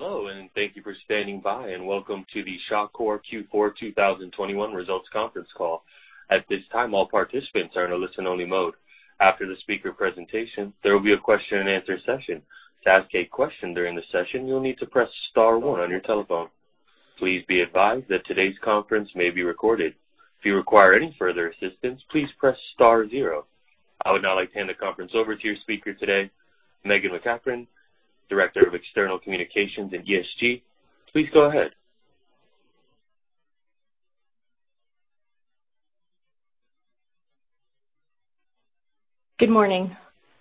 Hello, and thank you for standing by, and welcome to the Shawcor Q4 2021 Results Conference Call. At this time, all participants are in a listen-only mode. After the speaker presentation, there will be a question-and-answer session. To ask a question during the session, you'll need to press star one on your telephone. Please be advised that today's conference may be recorded. If you require any further assistance, please press star zero. I would now like to hand the conference over to your speaker today, Meghan MacEachern, Director, External Communications & ESG. Please go ahead. Good morning.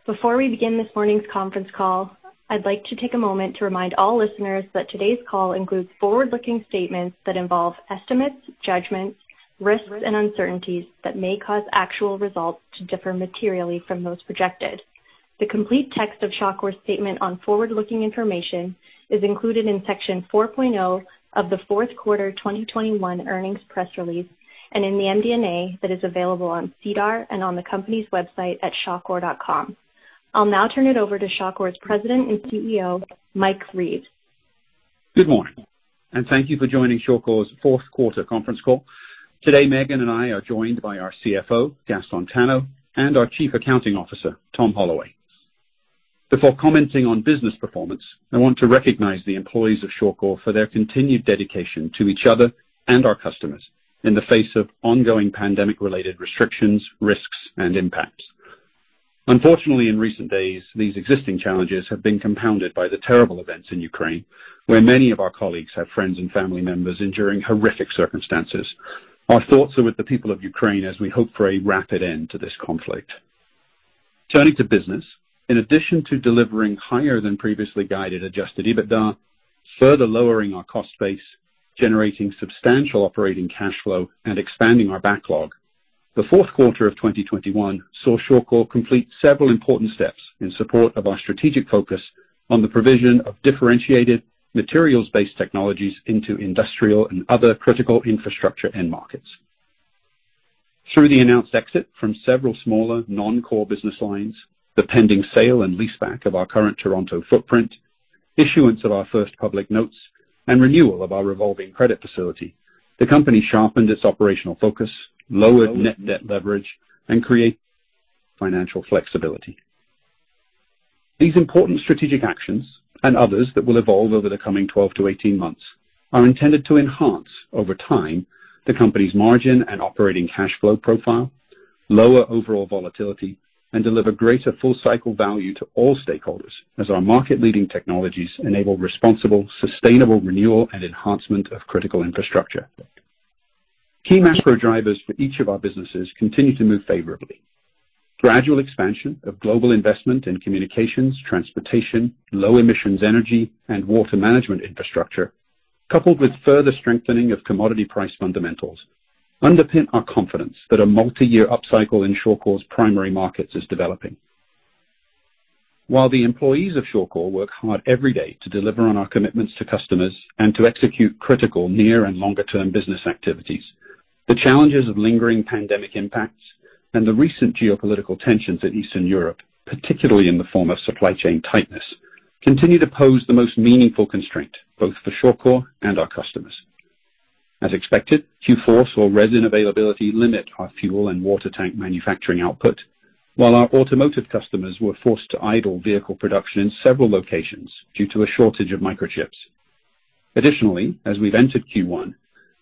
Before we begin this morning's conference call, I'd like to take a moment to remind all listeners that today's call includes forward-looking statements that involve estimates, judgments, risks, and uncertainties that may cause actual results to differ materially from those projected. The complete text of Shawcor's statement on forward-looking information is included in Section 4.0 of the fourth quarter 2021 earnings press release and in the MD&A that is available on SEDAR and on the company's website at shawcor.com. I'll now turn it over to Shawcor's President and CEO, Mike Reeves. Good morning, and thank you for joining Shawcor's fourth quarter conference call. Today, Meghan and I are joined by our CFO, Gaston Tano, and our Chief Accounting Officer, Tom Holloway. Before commenting on business performance, I want to recognize the employees of Shawcor for their continued dedication to each other and our customers in the face of ongoing pandemic-related restrictions, risks, and impacts. Unfortunately, in recent days, these existing challenges have been compounded by the terrible events in Ukraine, where many of our colleagues have friends and family members enduring horrific circumstances. Our thoughts are with the people of Ukraine as we hope for a rapid end to this conflict. Turning to business, in addition to delivering higher than previously guided Adjusted EBITDA, further lowering our cost base, generating substantial operating cash flow, and expanding our backlog, the fourth quarter of 2021 saw Shawcor complete several important steps in support of our strategic focus on the provision of differentiated materials-based technologies into industrial and other critical infrastructure end markets. Through the announced exit from several smaller non-core business lines, the pending sale and leaseback of our current Toronto footprint, issuance of our first public notes, and renewal of our revolving credit facility, the company sharpened its operational focus, lowered net debt leverage, and create financial flexibility. These important strategic actions and others that will evolve over the coming 12 to 18 months are intended to enhance over time the company's margin and operating cash flow profile, lower overall volatility, and deliver greater full cycle value to all stakeholders as our market-leading technologies enable responsible, sustainable renewal and enhancement of critical infrastructure. Key macro drivers for each of our businesses continue to move favorably. Gradual expansion of global investment in communications, transportation, low emissions energy, and water management infrastructure, coupled with further strengthening of commodity price fundamentals, underpin our confidence that a multi-year upcycle in Shawcor's primary markets is developing. While the employees of Shawcor work hard every day to deliver on our commitments to customers and to execute critical near and longer-term business activities, the challenges of lingering pandemic impacts and the recent geopolitical tensions in Eastern Europe, particularly in the form of supply chain tightness, continue to pose the most meaningful constraint, both for Shawcor and our customers. As expected, Q4 saw resin availability limit our fuel and water tank manufacturing output, while our automotive customers were forced to idle vehicle production in several locations due to a shortage of microchips. Additionally, as we've entered Q1,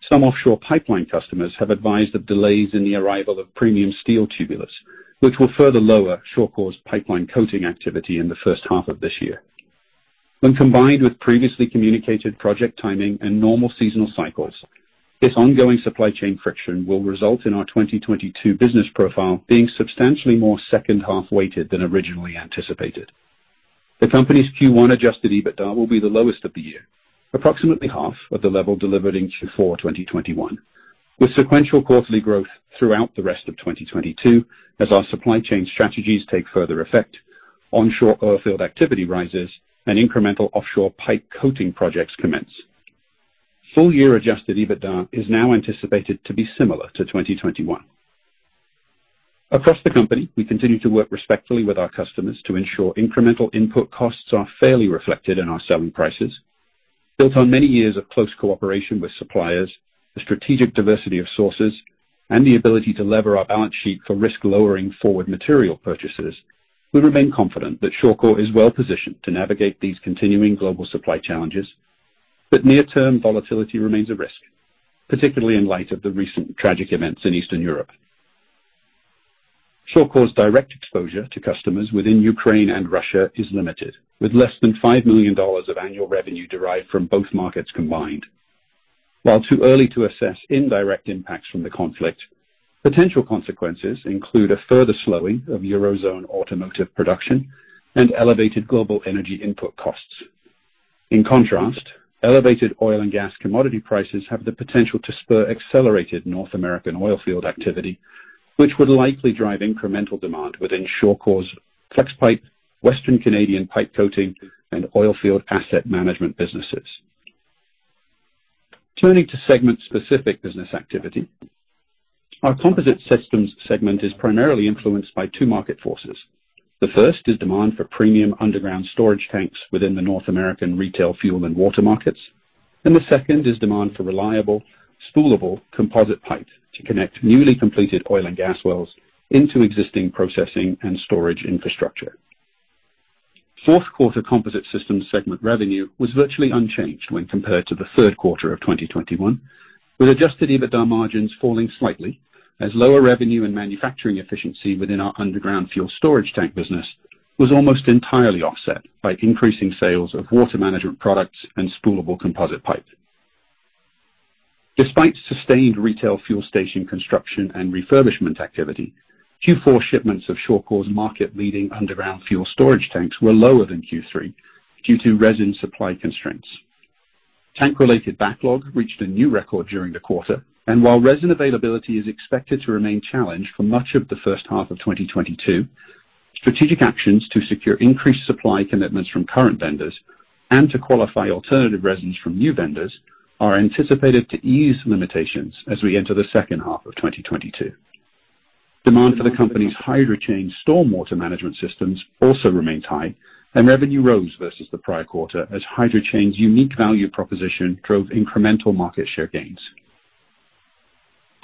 some offshore pipeline customers have advised of delays in the arrival of premium steel tubulars, which will further lower Shawcor's pipeline coating activity in the first half of this year. When combined with previously communicated project timing and normal seasonal cycles, this ongoing supply chain friction will result in our 2022 business profile being substantially more second-half weighted than originally anticipated. The company's Q1 Adjusted EBITDA will be the lowest of the year, approximately half of the level delivered in Q4 2021, with sequential quarterly growth throughout the rest of 2022 as our supply chain strategies take further effect, onshore oil field activity rises, and incremental offshore pipe coating projects commence. Full-year Adjusted EBITDA is now anticipated to be similar to 2021. Across the company, we continue to work respectfully with our customers to ensure incremental input costs are fairly reflected in our selling prices. Built on many years of close cooperation with suppliers, the strategic diversity of sources, and the ability to lever our balance sheet for risk-lowering forward material purchases, we remain confident that Shawcor is well positioned to navigate these continuing global supply challenges, but near-term volatility remains a risk, particularly in light of the recent tragic events in Eastern Europe. Shawcor's direct exposure to customers within Ukraine and Russia is limited, with less than 5 million dollars of annual revenue derived from both markets combined. While too early to assess indirect impacts from the conflict, potential consequences include a further slowing of Eurozone automotive production and elevated global energy input costs. In contrast, elevated oil and gas commodity prices have the potential to spur accelerated North American oilfield activity, which would likely drive incremental demand within Shawcor's Flexpipe, Western Canadian pipe coating, and oilfield asset management businesses. Turning to segment specific business activity. Our Composite Systems segment is primarily influenced by two market forces. The first is demand for premium underground storage tanks within the North American retail fuel and water markets, and the second is demand for reliable Spoolable Composite Pipe to connect newly completed oil and gas wells into existing processing and storage infrastructure. Fourth quarter Composite Systems segment revenue was virtually unchanged when compared to the third quarter of 2021, with Adjusted EBITDA margins falling slightly as lower revenue and manufacturing efficiency within our underground fuel storage tank business was almost entirely offset by increasing sales of water management products and Spoolable Composite Pipe. Despite sustained retail fuel station construction and refurbishment activity, Q4 shipments of Shawcor's market-leading underground fuel storage tanks were lower than Q3 due to resin supply constraints. Tank-related backlog reached a new record during the quarter, and while resin availability is expected to remain challenged for much of the first half of 2022, strategic actions to secure increased supply commitments from current vendors and to qualify alternative resins from new vendors are anticipated to ease limitations as we enter the second half of 2022. Demand for the company's HydroChain stormwater management systems also remains high, and revenue rose versus the prior quarter as HydroChain's unique value proposition drove incremental market share gains.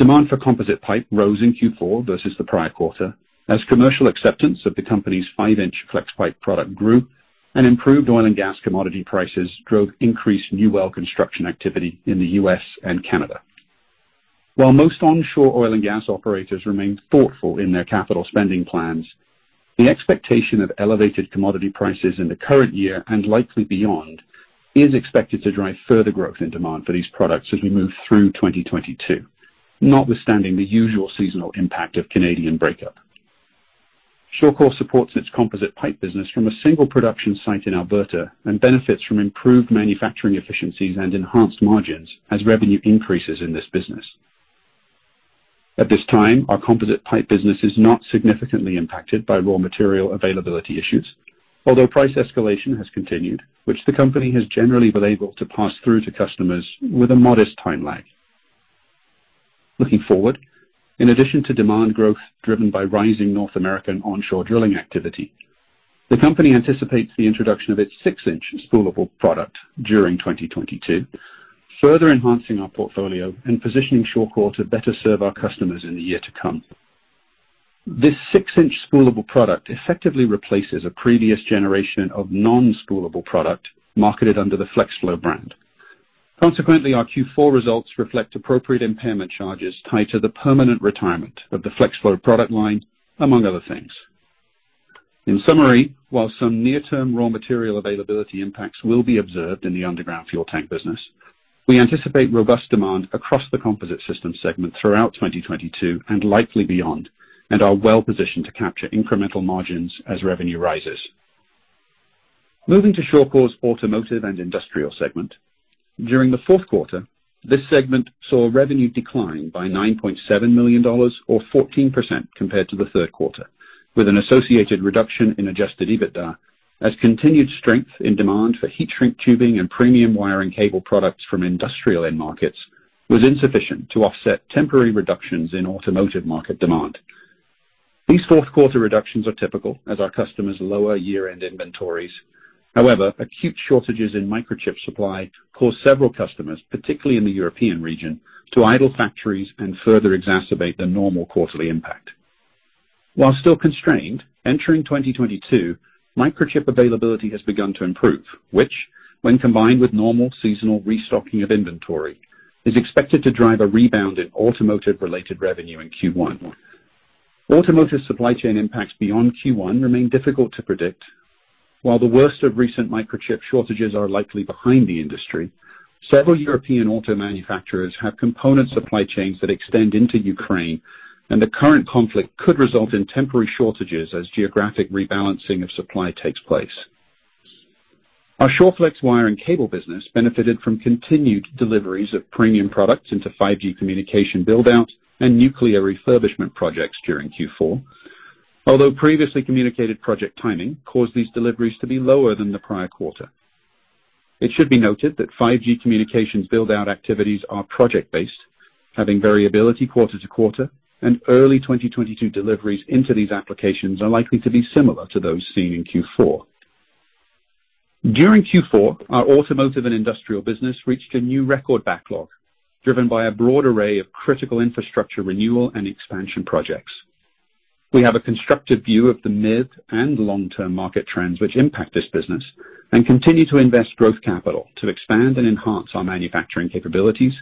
Demand for composite pipe rose in Q4 versus the prior quarter as commercial acceptance of the company's five-inch Flexpipe product grew and improved oil and gas commodity prices drove increased new well construction activity in the U.S. and Canada. While most onshore oil and gas operators remained thoughtful in their capital spending plans, the expectation of elevated commodity prices in the current year and likely beyond is expected to drive further growth in demand for these products as we move through 2022, notwithstanding the usual seasonal impact of Canadian breakup. Shawcor supports its composite pipe business from a single production site in Alberta and benefits from improved manufacturing efficiencies and enhanced margins as revenue increases in this business. At this time, our composite pipe business is not significantly impacted by raw material availability issues, although price escalation has continued, which the company has generally been able to pass through to customers with a modest time lag. Looking forward, in addition to demand growth driven by rising North American onshore drilling activity, the company anticipates the introduction of its six-inch spoolable product during 2022, further enhancing our portfolio and positioning Shawcor to better serve our customers in the year to come. This six-inch spoolable product effectively replaces a previous generation of non-spoolable product marketed under the FlexFlow brand. Consequently, our Q4 results reflect appropriate impairment charges tied to the permanent retirement of the FlexFlow product line, among other things. In summary, while some near term raw material availability impacts will be observed in the underground fuel tank business, we anticipate robust demand across the Composite Systems segment throughout 2022 and likely beyond, and are well positioned to capture incremental margins as revenue rises. Moving to Shawcor's Automotive & Industrial segment. During the fourth quarter, this segment saw revenue decline by 9.7 million dollars or 14% compared to the third quarter, with an associated reduction in Adjusted EBITDA as continued strength in demand for heat shrink tubing and premium wiring cable products from industrial end markets was insufficient to offset temporary reductions in automotive market demand. These fourth quarter reductions are typical as our customers lower year-end inventories. However, acute shortages in microchip supply caused several customers, particularly in the European region, to idle factories and further exacerbate the normal quarterly impact. While still constrained, entering 2022, microchip availability has begun to improve, which, when combined with normal seasonal restocking of inventory, is expected to drive a rebound in automotive-related revenue in Q1. Automotive supply chain impacts beyond Q1 remain difficult to predict. While the worst of recent microchip shortages are likely behind the industry, several European auto manufacturers have component supply chains that extend into Ukraine, and the current conflict could result in temporary shortages as geographic rebalancing of supply takes place. Our Shawflex wire and cable business benefited from continued deliveries of premium products into 5G communication build out and nuclear refurbishment projects during Q4. Although previously communicated project timing caused these deliveries to be lower than the prior quarter. It should be noted that 5G communications build out activities are project based, having variability quarter to quarter, and early 2022 deliveries into these applications are likely to be similar to those seen in Q4. During Q4, our Automotive & Industrial business reached a new record backlog driven by a broad array of critical infrastructure renewal and expansion projects. We have a constructive view of the mid and long term market trends which impact this business and continue to invest growth capital to expand and enhance our manufacturing capabilities,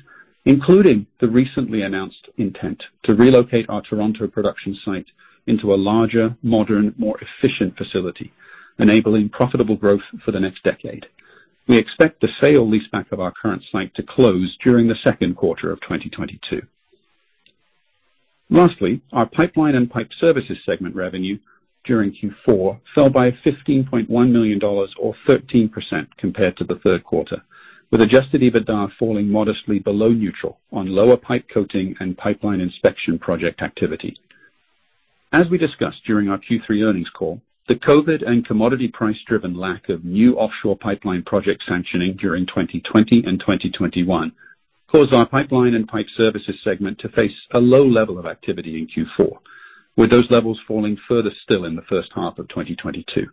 including the recently announced intent to relocate our Toronto production site into a larger, modern, more efficient facility, enabling profitable growth for the next decade. We expect the sale leaseback of our current site to close during the second quarter of 2022. Lastly, our Pipeline & Pipe Services segment revenue during Q4 fell by 15.1 million dollars or 13% compared to the third quarter, with Adjusted EBITDA falling modestly below neutral on lower pipe coating and pipeline inspection project activity. As we discussed during our Q3 earnings call, the COVID and commodity price driven lack of new offshore pipeline project sanctioning during 2020 and 2021 caused our Pipeline & Pipe Services segment to face a low level of activity in Q4, with those levels falling further still in the first half of 2022.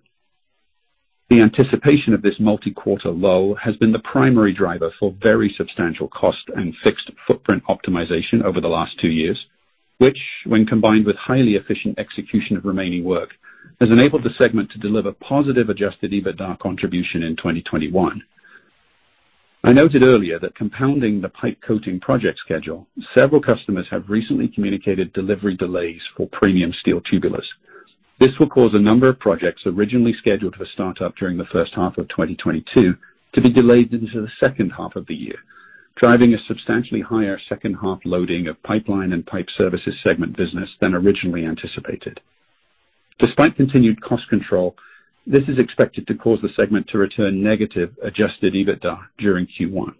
The anticipation of this multi-quarter low has been the primary driver for very substantial cost and fixed footprint optimization over the last two years, which when combined with highly efficient execution of remaining work, has enabled the segment to deliver positive Adjusted EBITDA contribution in 2021. I noted earlier that compounding the pipe coating project schedule, several customers have recently communicated delivery delays for premium steel tubulars. This will cause a number of projects originally scheduled for startup during the first half of 2022 to be delayed into the second half of the year, driving a substantially higher second half loading of Pipeline & Pipe Services segment business than originally anticipated. Despite continued cost control, this is expected to cause the segment to return negative Adjusted EBITDA during Q1.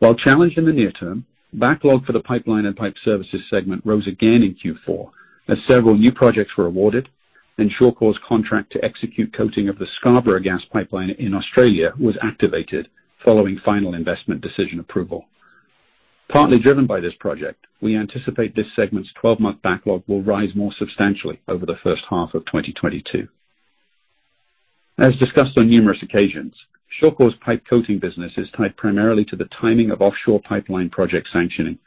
While challenged in the near term, backlog for the Pipeline & Pipe Services segment rose again in Q4 as several new projects were awarded and Shawcor's contract to execute coating of the Scarborough gas pipeline in Australia was activated following final investment decision approval. Partly driven by this project, we anticipate this segment's 12-month backlog will rise more substantially over the first half of 2022. As discussed on numerous occasions, Shawcor's pipe coating business is tied primarily to the timing of offshore pipeline project sanctioning,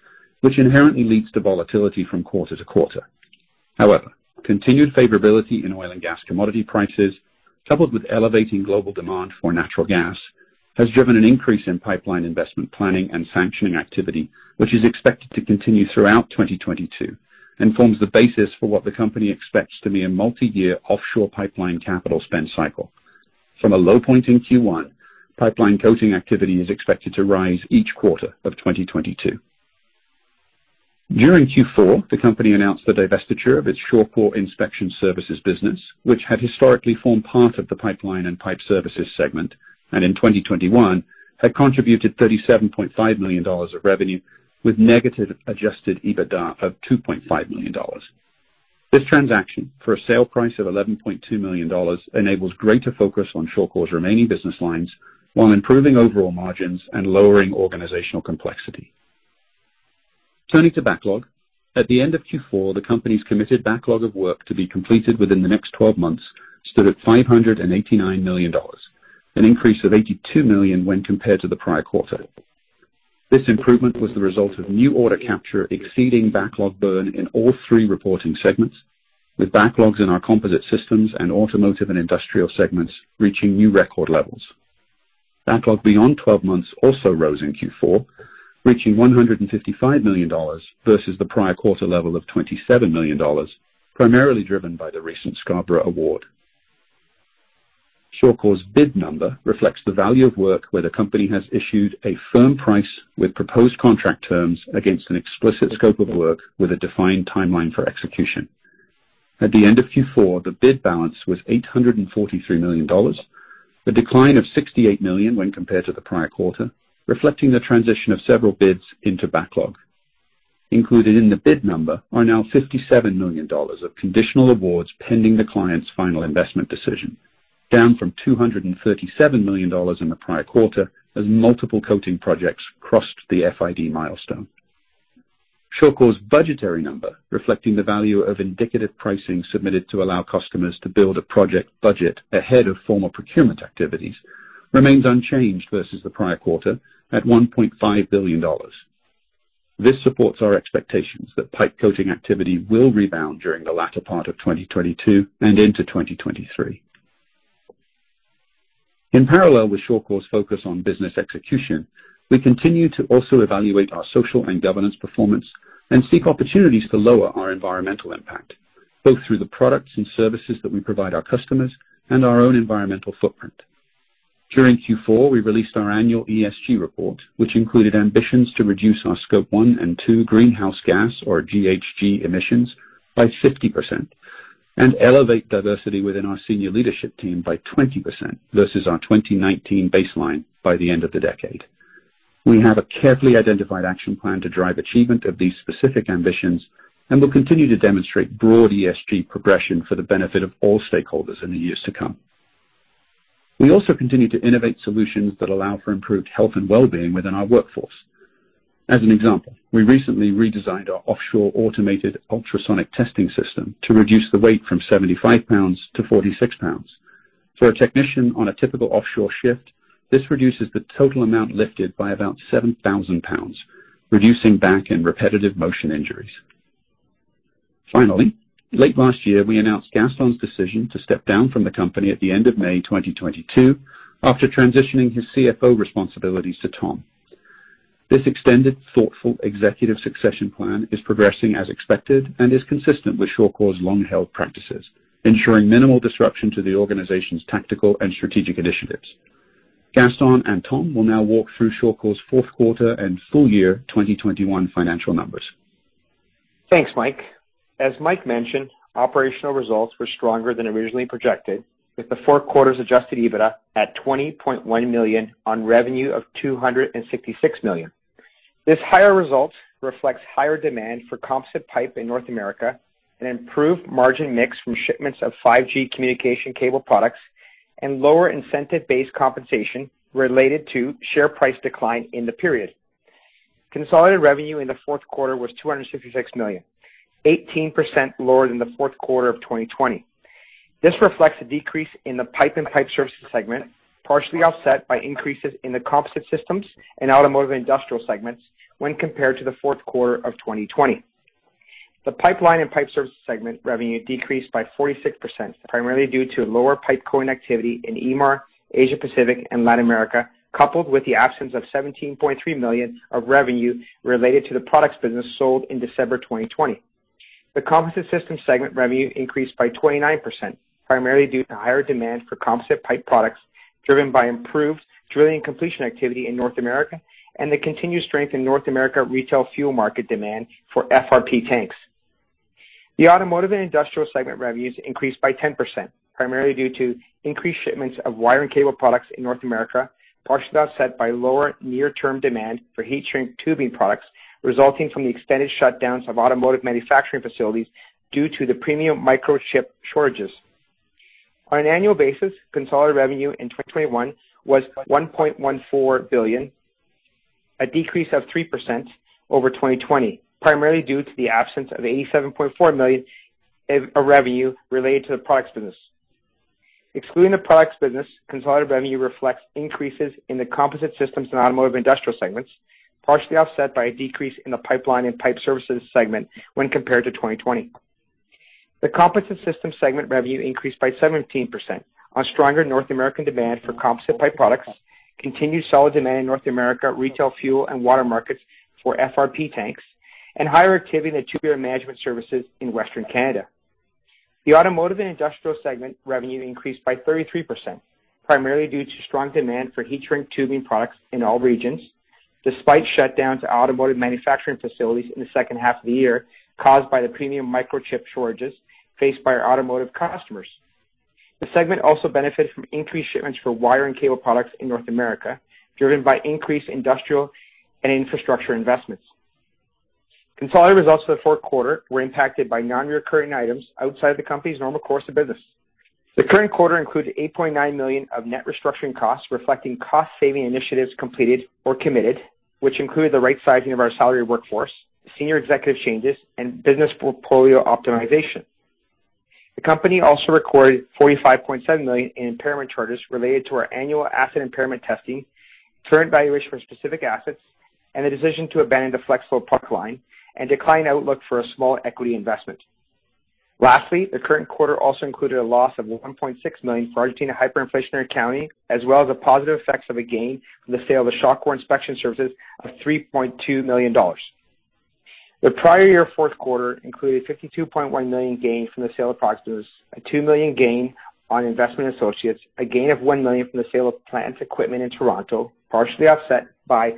which inherently leads to volatility from quarter to quarter. However, continued favorability in oil and gas commodity prices, coupled with elevating global demand for natural gas, has driven an increase in pipeline investment planning and sanctioning activity, which is expected to continue throughout 2022 and forms the basis for what the company expects to be a multi-year offshore pipeline capital spend cycle. From a low point in Q1, pipeline coating activity is expected to rise each quarter of 2022. During Q4, the company announced the divestiture of its Shawcor Inspection Services business, which had historically formed part of the Pipeline & Pipe Services segment, and in 2021 had contributed 37.5 million dollars of revenue with negative Adjusted EBITDA of 2.5 million dollars. This transaction, for a sale price of 11.2 million dollars, enables greater focus on Shawcor's remaining business lines while improving overall margins and lowering organizational complexity. Turning to backlog, at the end of Q4, the company's committed backlog of work to be completed within the next 12 months stood at 589 million dollars, an increase of 82 million when compared to the prior quarter. This improvement was the result of new order capture exceeding backlog burn in all three reporting segments, with backlogs in our Composite Systems and Automotive and Industrial segments reaching new record levels. Backlog beyond 12 months also rose in Q4, reaching 155 million dollars versus the prior quarter level of 27 million dollars, primarily driven by the recent Scarborough award. Shawcor's bid number reflects the value of work where the company has issued a firm price with proposed contract terms against an explicit scope of work with a defined timeline for execution. At the end of Q4, the bid balance was 843 million dollars, a decline of 68 million when compared to the prior quarter, reflecting the transition of several bids into backlog. Included in the bid number are now 57 million dollars of conditional awards pending the client's final investment decision, down from 237 million dollars in the prior quarter as multiple coating projects crossed the FID milestone. Shawcor's budgetary number, reflecting the value of indicative pricing submitted to allow customers to build a project budget ahead of formal procurement activities, remains unchanged versus the prior quarter at 1.5 billion dollars. This supports our expectations that pipe coating activity will rebound during the latter part of 2022 and into 2023. In parallel with Shawcor's focus on business execution, we continue to also evaluate our social and governance performance and seek opportunities to lower our environmental impact, both through the products and services that we provide our customers and our own environmental footprint. During Q4, we released our annual ESG report, which included ambitions to reduce our Scope 1 and 2 greenhouse gas or GHG emissions by 50% and elevate diversity within our senior leadership team by 20% versus our 2019 baseline by the end of the decade. We have a carefully identified action plan to drive achievement of these specific ambitions, and we'll continue to demonstrate broad ESG progression for the benefit of all stakeholders in the years to come. We also continue to innovate solutions that allow for improved health and well-being within our workforce. As an example, we recently redesigned our offshore automated ultrasonic testing system to reduce the weight from 75 lbs-46 lbs. For a technician on a typical offshore shift, this reduces the total amount lifted by about 7,000 lbs, reducing back and repetitive motion injuries. Finally, late last year, we announced Gaston's decision to step down from the company at the end of May 2022 after transitioning his CFO responsibilities to Tom. This extended thoughtful executive succession plan is progressing as expected and is consistent with Shawcor's long-held practices, ensuring minimal disruption to the organization's tactical and strategic initiatives. Gaston and Tom will now walk through Shawcor's fourth quarter and full year 2021 financial numbers. Thanks, Mike. As Mike mentioned, operational results were stronger than originally projected, with the fourth quarter's Adjusted EBITDA at 20.1 million on revenue of 266 million. This higher results reflects higher demand for composite pipe in North America and improved margin mix from shipments of 5G communication cable products and lower incentive-based compensation related to share price decline in the period. Consolidated revenue in the fourth quarter was CAD 256 million, 18% lower than the fourth quarter of 2020. This reflects a decrease in the Pipeline & Pipe Services segment, partially offset by increases in the Composite Systems and Automotive & Industrial segments when compared to the fourth quarter of 2020. The Pipeline & Pipe Services segment revenue decreased by 46%, primarily due to lower pipe coating activity in EMR, Asia Pacific and Latin America, coupled with the absence of 17.3 million of revenue related to the products business sold in December 2020. The Composite Systems segment revenue increased by 29%, primarily due to higher demand for composite pipe products, driven by improved drilling and completion activity in North America and the continued strength in North America retail fuel market demand for FRP tanks. The Automotive & Industrial segment revenues increased by 10%, primarily due to increased shipments of wire and cable products in North America, partially offset by lower near term demand for heat shrink tubing products resulting from the extended shutdowns of automotive manufacturing facilities due to the premium microchip shortages. On an annual basis, consolidated revenue in 2021 was 1.14 billion, a decrease of 3% over 2020, primarily due to the absence of 87.4 million in revenue related to the products business. Excluding the products business, consolidated revenue reflects increases in the Composite Systems and Automotive & Industrial segments, partially offset by a decrease in the Pipeline & Pipe Services segment when compared to 2020. The Composite Systems segment revenue increased by 17% on stronger North American demand for composite pipe products, continued solid demand in North America retail fuel and water markets for FRP tanks, and higher activity in the tubular management services in Western Canada. The Automotive & Industrial segment revenue increased by 33%, primarily due to strong demand for heat shrink tubing products in all regions, despite shutdowns at automotive manufacturing facilities in the second half of the year caused by the premium microchip shortages faced by our automotive customers. The segment also benefited from increased shipments for wire and cable products in North America, driven by increased industrial and infrastructure investments. Consolidated results for the fourth quarter were impacted by non-recurring items outside the company's normal course of business. The current quarter includes 8.9 million of net restructuring costs, reflecting cost saving initiatives completed or committed, which included the right sizing of our salary workforce, senior executive changes and business portfolio optimization. The company also recorded 45.7 million in impairment charges related to our annual asset impairment testing, current valuation for specific assets, and the decision to abandon the FlexFlow product line and decline outlook for a small equity investment. The current quarter also included a loss of 1.6 million for Argentina hyperinflationary accounting, as well as the positive effects of a gain from the sale of the Shawcor Inspection Services of 3.2 million dollars. The prior year fourth quarter included 52.1 million gain from the sale of the Products business, a 2 million gain on investment associates, a gain of 1 million from the sale of plant equipment in Toronto, partially offset by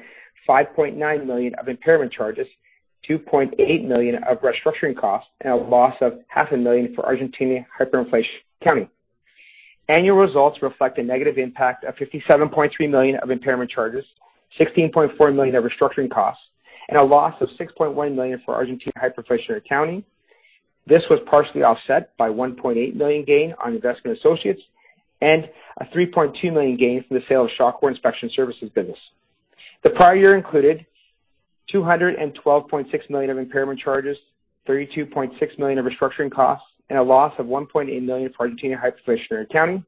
5.9 million of impairment charges, 2.8 million of restructuring costs, and a loss of half a million for Argentina hyperinflation accounting. Annual results reflect a negative impact of 57.3 million of impairment charges, 16.4 million of restructuring costs, and a loss of 6.1 million for Argentina hyperinflationary accounting. This was partially offset by 1.8 million gain on investment associates and a 3.2 million gain from the sale of Shawcor Inspection Services business. The prior year included 212.6 million of impairment charges, 32.6 million of restructuring costs, and a loss of 1.8 million for Argentina hyperinflationary accounting.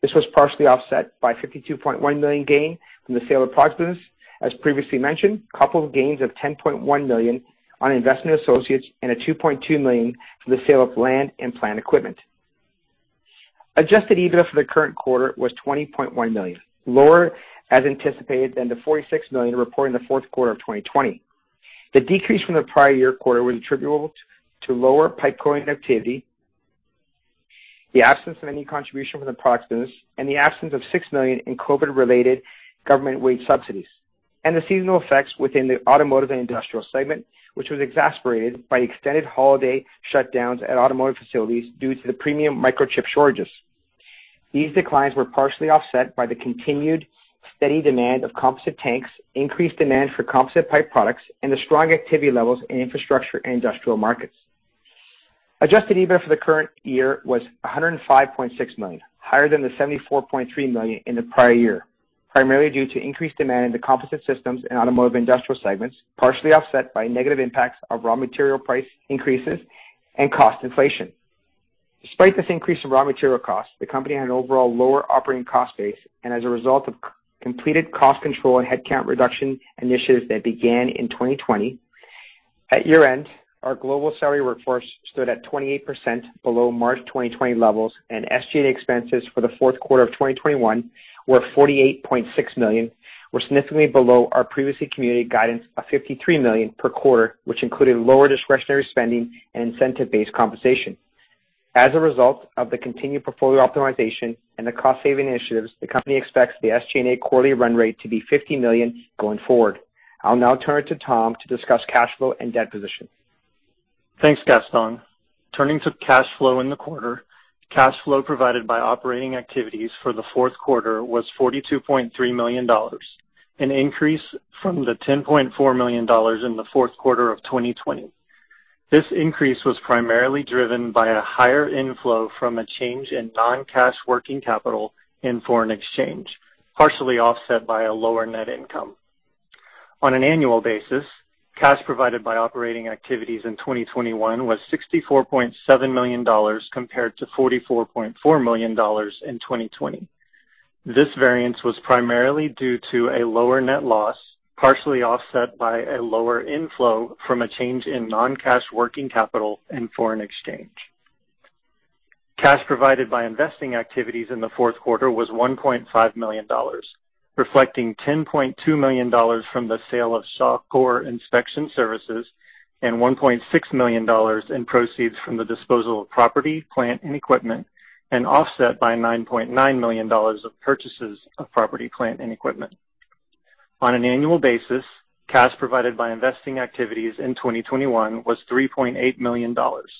This was partially offset by 52.1 million gain from the sale of products, as previously mentioned, coupled with gains of 10.1 million on investment associates and a 2.2 million from the sale of land and plant equipment. Adjusted EBITDA for the current quarter was 20.1 million, lower as anticipated than the 46 million reported in the fourth quarter of 2020. The decrease from the prior year quarter was attributable to lower pipe coating, the absence of any contribution from the products business, and the absence of 6 million in COVID-related government wage subsidies, and the seasonal effects within the Automotive & Industrial segment, which was exacerbated by extended holiday shutdowns at automotive facilities due to the premium microchip shortages. These declines were partially offset by the continued steady demand for composite tanks, increased demand for composite pipe products, and the strong activity levels in infrastructure and industrial markets. Adjusted EBITDA for the current year was 105.6 million, higher than the 74.3 million in the prior year, primarily due to increased demand in the Composite Systems and Automotive & Industrial segments, partially offset by negative impacts of raw material price increases and cost inflation. Despite this increase in raw material costs, the company had an overall lower operating cost base and as a result of completed cost control and headcount reduction initiatives that began in 2020. At year-end, our global salary workforce stood at 28% below March 2020 levels, and SG&A expenses for the fourth quarter of 2021 were 48.6 million, significantly below our previously communicated guidance of 53 million per quarter, which included lower discretionary spending and incentive-based compensation. As a result of the continued portfolio optimization and the cost-saving initiatives, the company expects the SG&A quarterly run rate to be 50 million going forward. I'll now turn it to Tom to discuss cash flow and debt position. Thanks, Gaston. Turning to cash flow in the quarter, cash flow provided by operating activities for the fourth quarter was 42.3 million dollars, an increase from 10.4 million dollars in the fourth quarter of 2020. This increase was primarily driven by a higher inflow from a change in non-cash working capital and foreign exchange, partially offset by a lower net income. On an annual basis, cash provided by operating activities in 2021 was 64.7 million dollars compared to 44.4 million dollars in 2020. This variance was primarily due to a lower net loss, partially offset by a lower inflow from a change in non-cash working capital and foreign exchange. Cash provided by investing activities in the fourth quarter was 1.5 million dollars, reflecting 10.2 million dollars from the sale of Shawcor Inspection Services, and 1.6 million dollars in proceeds from the disposal of property, plant, and equipment, and offset by 9.9 million dollars of purchases of property, plant, and equipment. On an annual basis, cash provided by investing activities in 2021 was 3.8 million dollars,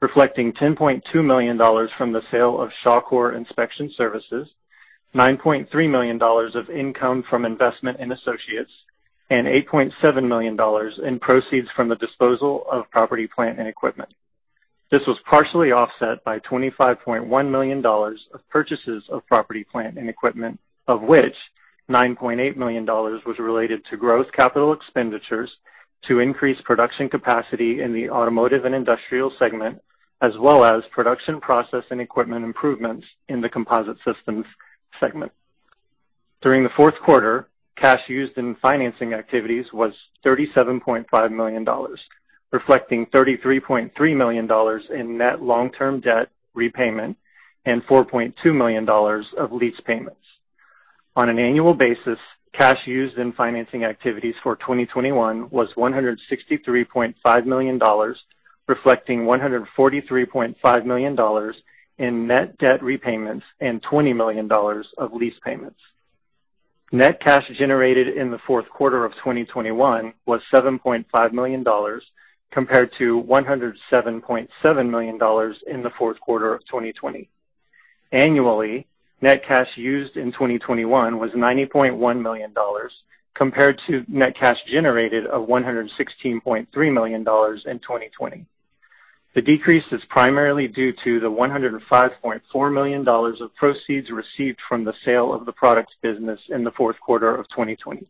reflecting 10.2 million dollars from the sale of Shawcor Inspection Services, 9.3 million dollars of income from investment in associates, and 8.7 million dollars in proceeds from the disposal of property, plant, and equipment. This was partially offset by 25.1 million dollars of purchases of property, plant, and equipment, of which 9.8 million dollars was related to growth capital expenditures to increase production capacity in the Automotive & Industrial segment, as well as production process and equipment improvements in the Composite Systems segment. During the fourth quarter, cash used in financing activities was 37.5 million dollars, reflecting 33.3 million dollars in net long-term debt repayment and 4.2 million dollars of lease payments. On an annual basis, cash used in financing activities for 2021 was 163.5 million dollars, reflecting 143.5 million dollars in net debt repayments and 20 million dollars of lease payments. Net cash generated in the fourth quarter of 2021 was 7.5 million dollars compared to 107.7 million dollars in the fourth quarter of 2020. Annually, net cash used in 2021 was 90.1 million dollars compared to net cash generated of 116.3 million dollars in 2020. The decrease is primarily due to the 105.4 million dollars of proceeds received from the sale of the products business in the fourth quarter of 2020.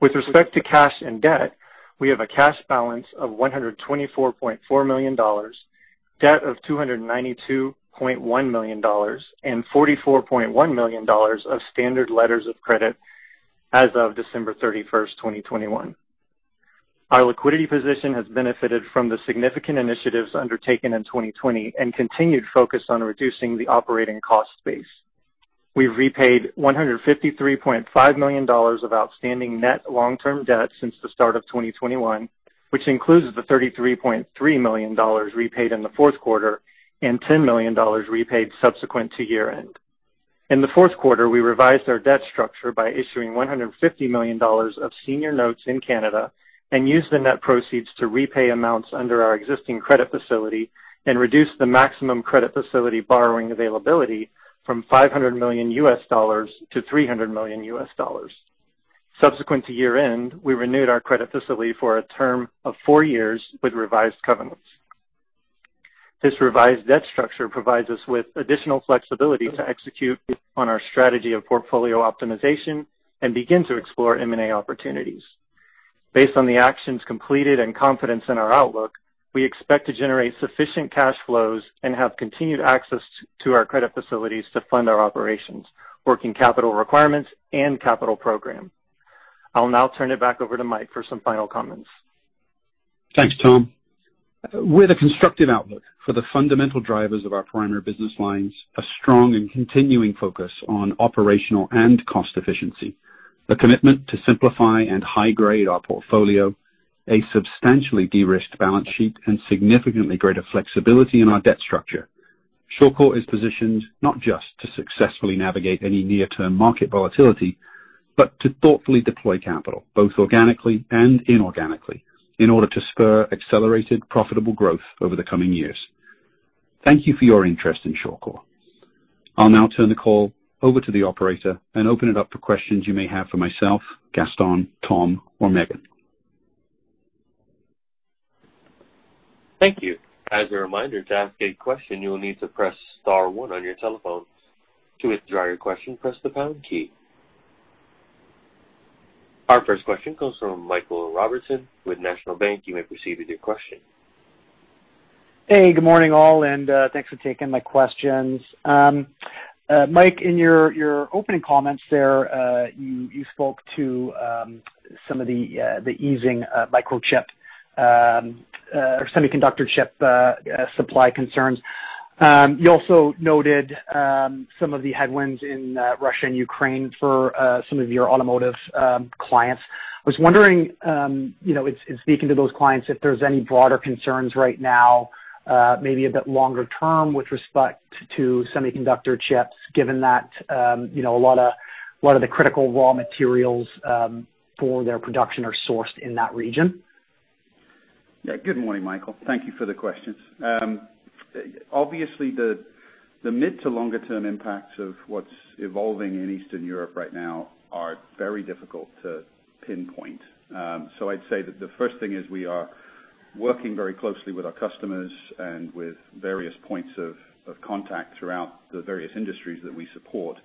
With respect to cash and debt, we have a cash balance of 124.4 million dollars, debt of 292.1 million dollars, and 44.1 million dollars of standard letters of credit as of December 31, 2021. Our liquidity position has benefited from the significant initiatives undertaken in 2020 and continued focus on reducing the operating cost base. We've repaid 153.5 million dollars of outstanding net long-term debt since the start of 2021, which includes the 33.3 million dollars repaid in the fourth quarter and 10 million dollars repaid subsequent to year-end. In the fourth quarter, we revised our debt structure by issuing 150 million dollars of senior notes in Canada and used the net proceeds to repay amounts under our existing credit facility and reduce the maximum credit facility borrowing availability from $500 million to $300 million. Subsequent to year-end, we renewed our credit facility for a term of 4 years with revised covenants. This revised debt structure provides us with additional flexibility to execute on our strategy of portfolio optimization and begin to explore M&A opportunities. Based on the actions completed and confidence in our outlook, we expect to generate sufficient cash flows and have continued access to our credit facilities to fund our operations, working capital requirements, and capital program. I'll now turn it back over to Mike for some final comments. Thanks, Tom. With a constructive outlook for the fundamental drivers of our primary business lines, a strong and continuing focus on operational and cost efficiency, a commitment to simplify and high grade our portfolio, a substantially de-risked balance sheet, and significantly greater flexibility in our debt structure, Shawcor is positioned not just to successfully navigate any near-term market volatility, but to thoughtfully deploy capital, both organically and inorganically, in order to spur accelerated profitable growth over the coming years. Thank you for your interest in Shawcor. I'll now turn the call over to the operator and open it up for questions you may have for myself, Gaston, Tom, or Meghan. Thank you. As a reminder, to ask a question, you will need to press star one on your telephones. To withdraw your question, press the pound key. Our first question comes from Michael Robertson with National Bank Financial. You may proceed with your question. Hey, good morning, all, and thanks for taking my questions. Mike, in your opening comments there, you spoke to some of the easing of microchip or semiconductor chip supply concerns. You also noted some of the headwinds in Russia and Ukraine for some of your automotive clients. I was wondering, you know, in speaking to those clients, if there's any broader concerns right now, maybe a bit longer term with respect to semiconductor chips, given that, you know, a lot of the critical raw materials for their production are sourced in that region? Yeah. Good morning, Michael. Thank you for the questions. Obviously the mid to longer term impacts of what's evolving in Eastern Europe right now are very difficult to pinpoint. I'd say that the first thing is we are working very closely with our customers and with various points of contact throughout the various industries that we support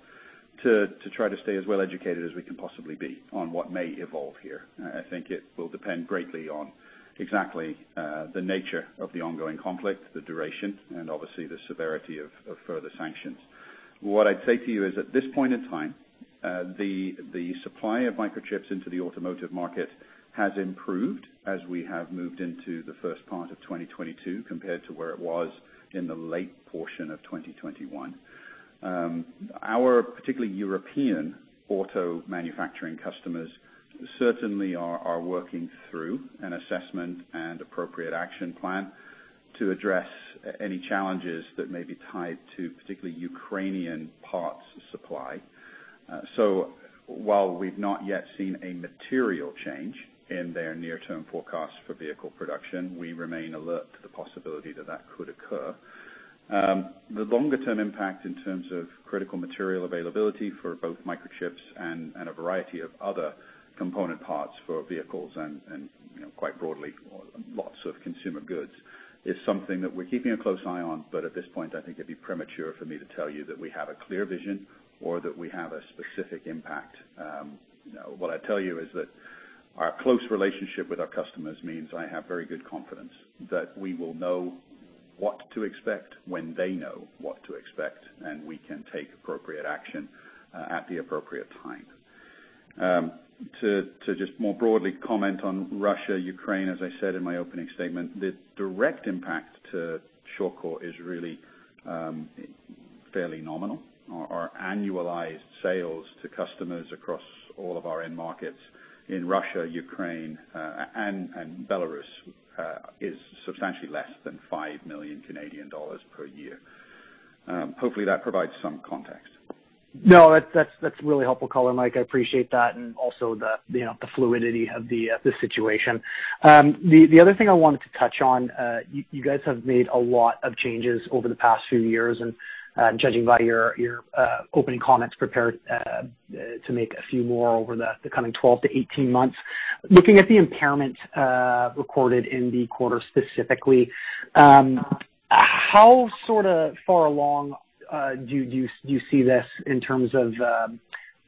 to try to stay as well-educated as we can possibly be on what may evolve here. I think it will depend greatly on exactly the nature of the ongoing conflict, the duration, and obviously the severity of further sanctions. What I'd say to you is, at this point in time, the supply of microchips into the automotive market has improved as we have moved into the first part of 2022 compared to where it was in the late portion of 2021. Our particularly European auto manufacturing customers certainly are working through an assessment and appropriate action plan to address any challenges that may be tied to particularly Ukrainian parts supply. While we've not yet seen a material change in their near-term forecast for vehicle production, we remain alert to the possibility that could occur. The longer term impact in terms of critical material availability for both microchips and a variety of other component parts for vehicles and, you know, quite broadly, lots of consumer goods is something that we're keeping a close eye on, but at this point I think it'd be premature for me to tell you that we have a clear vision or that we have a specific impact. You know, what I'd tell you is that our close relationship with our customers means I have very good confidence that we will know what to expect when they know what to expect, and we can take appropriate action at the appropriate time. To just more broadly comment on Russia, Ukraine, as I said in my opening statement, the direct impact to Shawcor is really fairly nominal. Our annualized sales to customers across all of our end markets in Russia, Ukraine, and Belarus is substantially less than 5 million Canadian dollars per year. Hopefully that provides some context. No, that's really helpful color, Mike. I appreciate that, and also the, you know, the fluidity of the situation. The other thing I wanted to touch on, you guys have made a lot of changes over the past few years, and judging by your opening comments, you're prepared to make a few more over the coming 12-18 months. Looking at the impairment recorded in the quarter specifically, how sort of far along do you see this in terms of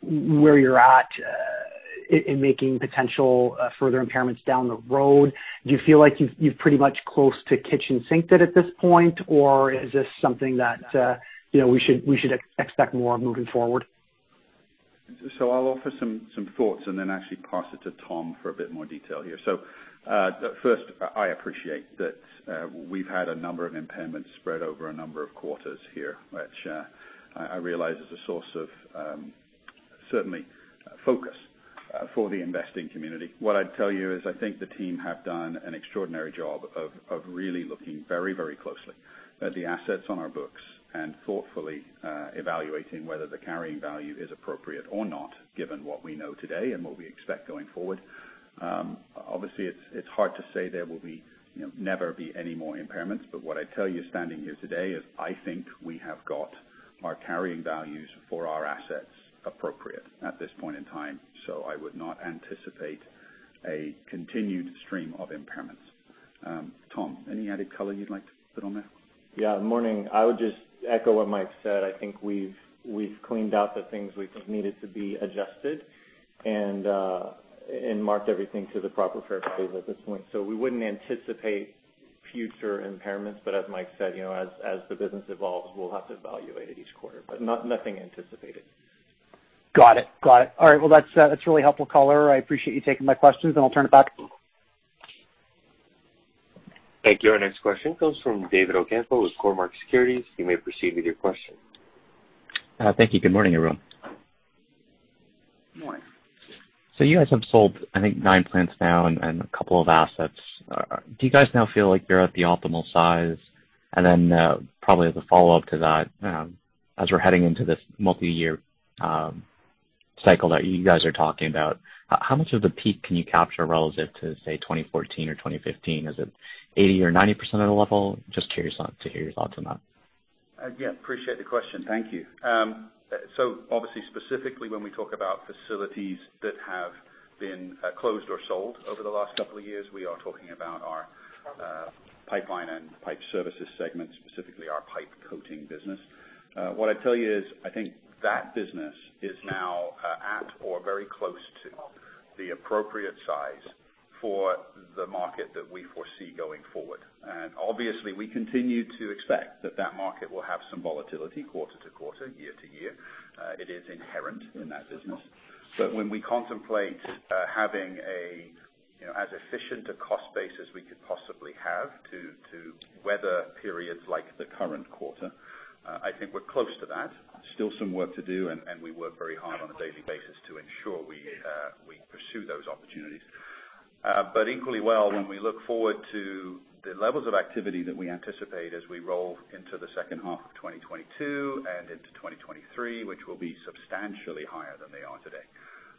where you're at in making potential further impairments down the road? Do you feel like you've pretty much kitchen-sinked that at this point, or is this something that, you know, we should expect more moving forward? I'll offer some thoughts and then actually pass it to Tom for a bit more detail here. First, I appreciate that we've had a number of impairments spread over a number of quarters here, which I realize is a source of certain frustration for the investing community. What I'd tell you is I think the team have done an extraordinary job of really looking very, very closely at the assets on our books and thoughtfully evaluating whether the carrying value is appropriate or not, given what we know today and what we expect going forward. Obviously it's hard to say there will be, you know, never be any more impairments, but what I'd tell you standing here today is I think we have got our carrying values for our assets appropriate at this point in time. I would not anticipate a continued stream of impairments. Tom, any added color you'd like to put on there? Yeah. Morning. I would just echo what Mike said. I think we've cleaned out the things we've needed to be adjusted and marked everything to the proper fair value at this point. We wouldn't anticipate future impairments. As Mike said, you know, as the business evolves, we'll have to evaluate it each quarter. Nothing anticipated. Got it. All right. Well, that's really helpful color. I appreciate you taking my questions, and I'll turn it back. Thank you. Our next question comes from David Ocampo with Cormark Securities. You may proceed with your question. Thank you. Good morning, everyone. Morning. You guys have sold, I think, 9 plants now and a couple of assets. Do you guys now feel like you're at the optimal size? Probably as a follow-up to that, as we're heading into this multi-year cycle that you guys are talking about, how much of the peak can you capture relative to, say, 2014 or 2015? Is it 80% or 90% of the level? Just curious to hear your thoughts on that. Appreciate the question. Thank you. So obviously, specifically when we talk about facilities that have been closed or sold over the last couple of years, we are talking about our Pipeline & Pipe Services segment, specifically our pipe coating business. What I'd tell you is I think that business is now at or very close to the appropriate size for the market that we foresee going forward. And obviously we continue to expect that the market will have some volatility quarter to quarter, year to year. It is inherent in that business. When we contemplate having a, you know, as efficient a cost base as we could possibly have to weather periods like the current quarter, I think we're close to that. Still some work to do, and we work very hard on a daily basis to ensure we pursue those opportunities. Equally well, when we look forward to the levels of activity that we anticipate as we roll into the second half of 2022 and into 2023, which will be substantially higher than they are today,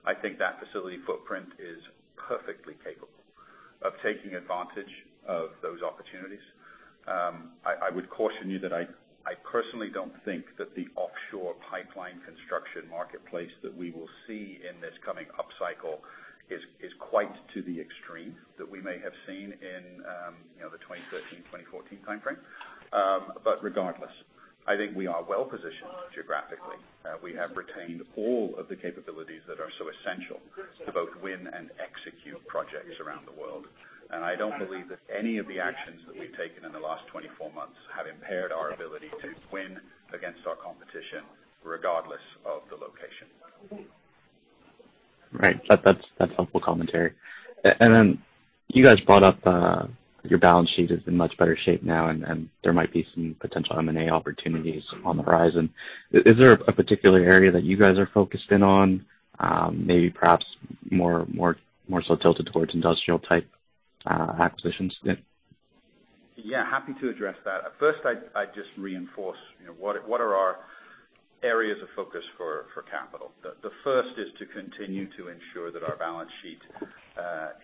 I think that facility footprint is perfectly capable of taking advantage of those opportunities. I would caution you that I personally don't think that the offshore pipeline construction marketplace that we will see in this coming upcycle is quite to the extreme that we may have seen in, you know, the 2013, 2014 timeframe. Regardless, I think we are well positioned geographically. We have retained all of the capabilities that are so essential to both win and execute projects around the world. I don't believe that any of the actions that we've taken in the last 24 months have impaired our ability to win against our competition, regardless of the location. Right. That's helpful commentary. Then you guys brought up your balance sheet is in much better shape now, and there might be some potential M&A opportunities on the horizon. Is there a particular area that you guys are focused in on, maybe perhaps more so tilted towards industrial-type acquisitions? Yeah, happy to address that. First, I'd just reinforce, you know, what are our areas of focus for capital. The first is to continue to ensure that our balance sheet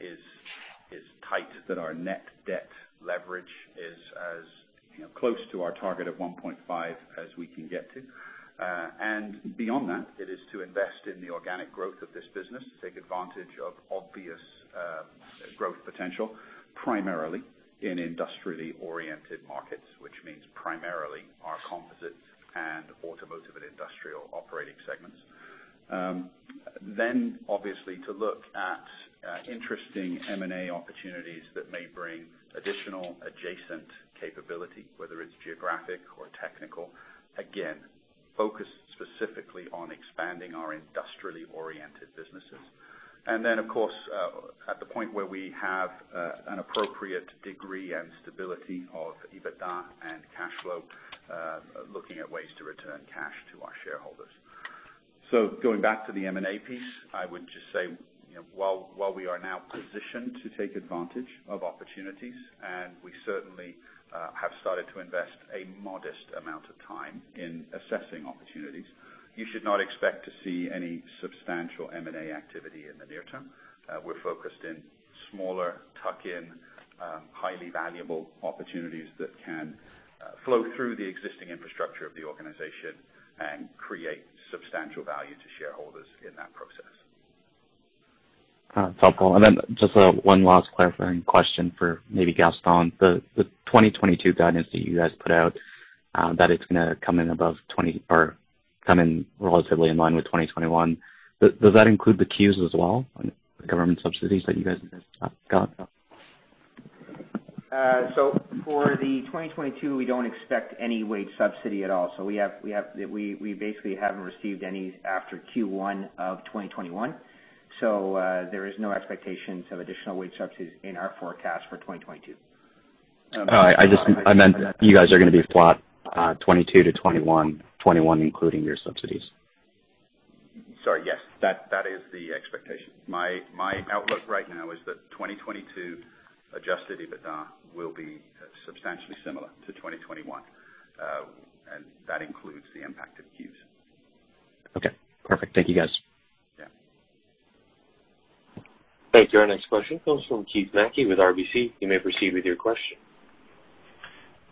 is tight, that our net debt leverage is as, you know, close to our target of 1.5 as we can get to. Beyond that, it is to invest in the organic growth of this business to take advantage of obvious growth potential, primarily in industrially oriented markets, which means primarily our composite and automotive and industrial operating segments. Obviously to look at interesting M&A opportunities that may bring additional adjacent capability, whether it's geographic or technical, again, focused specifically on expanding our industrially oriented businesses. Of course, at the point where we have an appropriate degree and stability of EBITDA and cash flow, looking at ways to return cash to our shareholders. Going back to the M&A piece, I would just say, you know, while we are now positioned to take advantage of opportunities, and we certainly have started to invest a modest amount of time in assessing opportunities, you should not expect to see any substantial M&A activity in the near term. We're focused in smaller tuck-in, highly valuable opportunities that can flow through the existing infrastructure of the organization and create substantial value to shareholders in that process. That's helpful. One last clarifying question for maybe Gaston. The 2022 guidance that you guys put out, that it's gonna come in relatively in line with 2021. Does that include the CEWS as well, the government subsidies that you guys got? For the 2022, we don't expect any wage subsidy at all. We basically haven't received any after Q1 of 2021. There is no expectations of additional wage subsidies in our forecast for 2022. I meant you guys are gonna be flat, 22 to 21 including your subsidies. Sorry. Yes, that is the expectation. My outlook right now is that 2022 Adjusted EBITDA will be substantially similar to 2021. That includes the impact of CEWS. Okay. Perfect. Thank you, guys. Yeah. Thank you. Our next question comes from Keith Mackey with RBC. You may proceed with your question.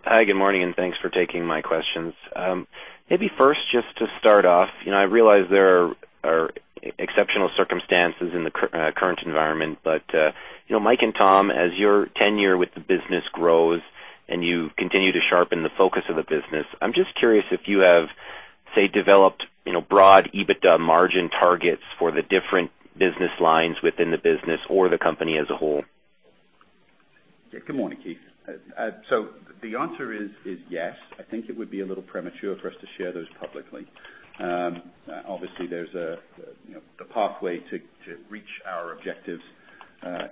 Hi, good morning, and thanks for taking my questions. Maybe first, just to start off, you know, I realize there are exceptional circumstances in the current environment. You know, Mike and Tom, as your tenure with the business grows and you continue to sharpen the focus of the business, I'm just curious if you have, say, developed, you know, broad EBITDA margin targets for the different business lines within the business or the company as a whole. Yeah. Good morning, Keith. So the answer is yes. I think it would be a little premature for us to share those publicly. Obviously, there's the pathway to reach our objectives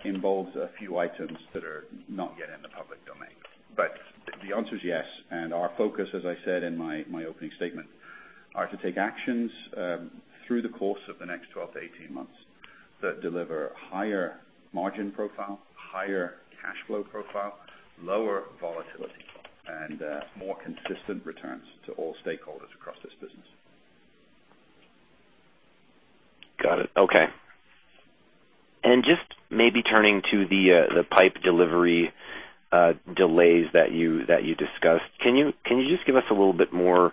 involves a few items that are not yet in the public domain. But the answer is yes. Our focus, as I said in my opening statement, are to take actions through the course of the next 12-18 months that deliver higher margin profile, higher cash flow profile, lower volatility, and more consistent returns to all stakeholders across this business. Got it. Okay. Just maybe turning to the pipe delivery delays that you discussed. Can you just give us a little bit more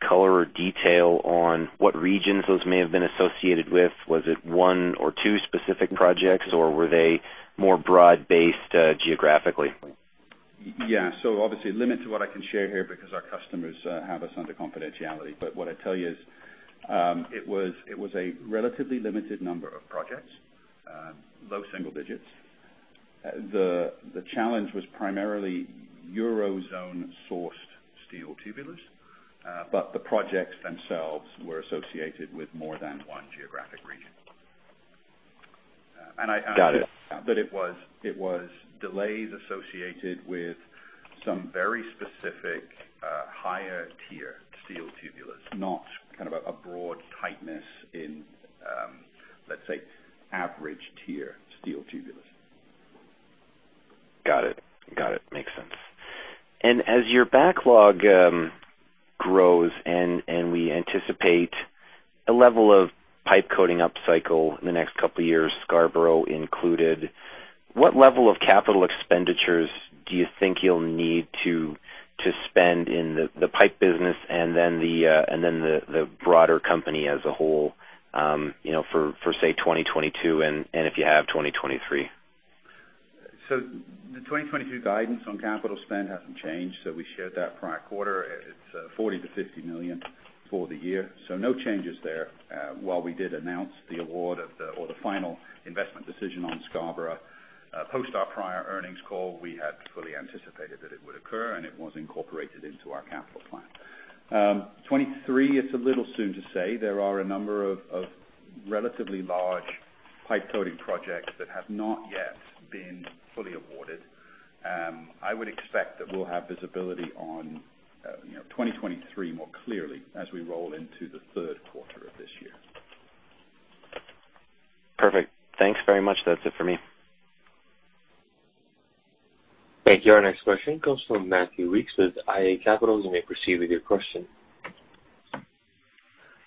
color or detail on what regions those may have been associated with? Was it one or two specific projects, or were they more broad-based geographically? Yeah. Obviously limit to what I can share here because our customers have us under confidentiality. What I'd tell you is, it was a relatively limited number of projects, low-single-digits. The challenge was primarily Eurozone-sourced steel tubulars. The projects themselves were associated with more than one geographic region. Got it. It was delays associated with some very specific higher tier steel tubulars, not kind of a broad tightness in, let's say, average tier steel tubular. Got it. Makes sense. As your backlog grows and we anticipate a level of pipe coating upcycle in the next couple of years, Scarborough included, what level of capital expenditures do you think you'll need to spend in the pipe business and then the broader company as a whole, you know, for say, 2022 and if you have 2023? 2022 guidance on capital spend hasn't changed. We shared that prior quarter. It's 40 million-50 million for the year, so no changes there. While we did announce the award of the final investment decision on Scarborough post our prior earnings call, we had fully anticipated that it would occur and it was incorporated into our capital plan. 2023, it's a little soon to say. There are a number of relatively large pipe coating projects that have not yet been fully awarded. I would expect that we'll have visibility on, you know, 2023 more clearly as we roll into the third quarter of this year. Perfect. Thanks very much. That's it for me. Thank you. Our next question comes from Matthew Weekes with iA Capital Markets. You may proceed with your question.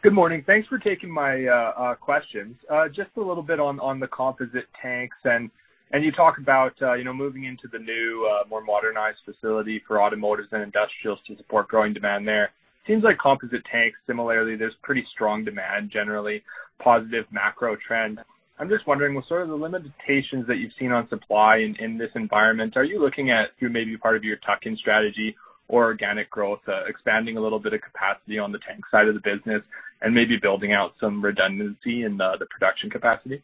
Good morning. Thanks for taking my questions. Just a little bit on the composite tanks, and you talk about moving into the new more modernized facility for Automotive and Industrial to support growing demand there. Seems like composite tanks similarly, there's pretty strong demand, generally positive macro trend. I'm just wondering what sort of the limitations that you've seen on supply in this environment, are you looking at through maybe part of your tuck-in strategy or organic growth, expanding a little bit of capacity on the tank side of the business and maybe building out some redundancy in the production capacity?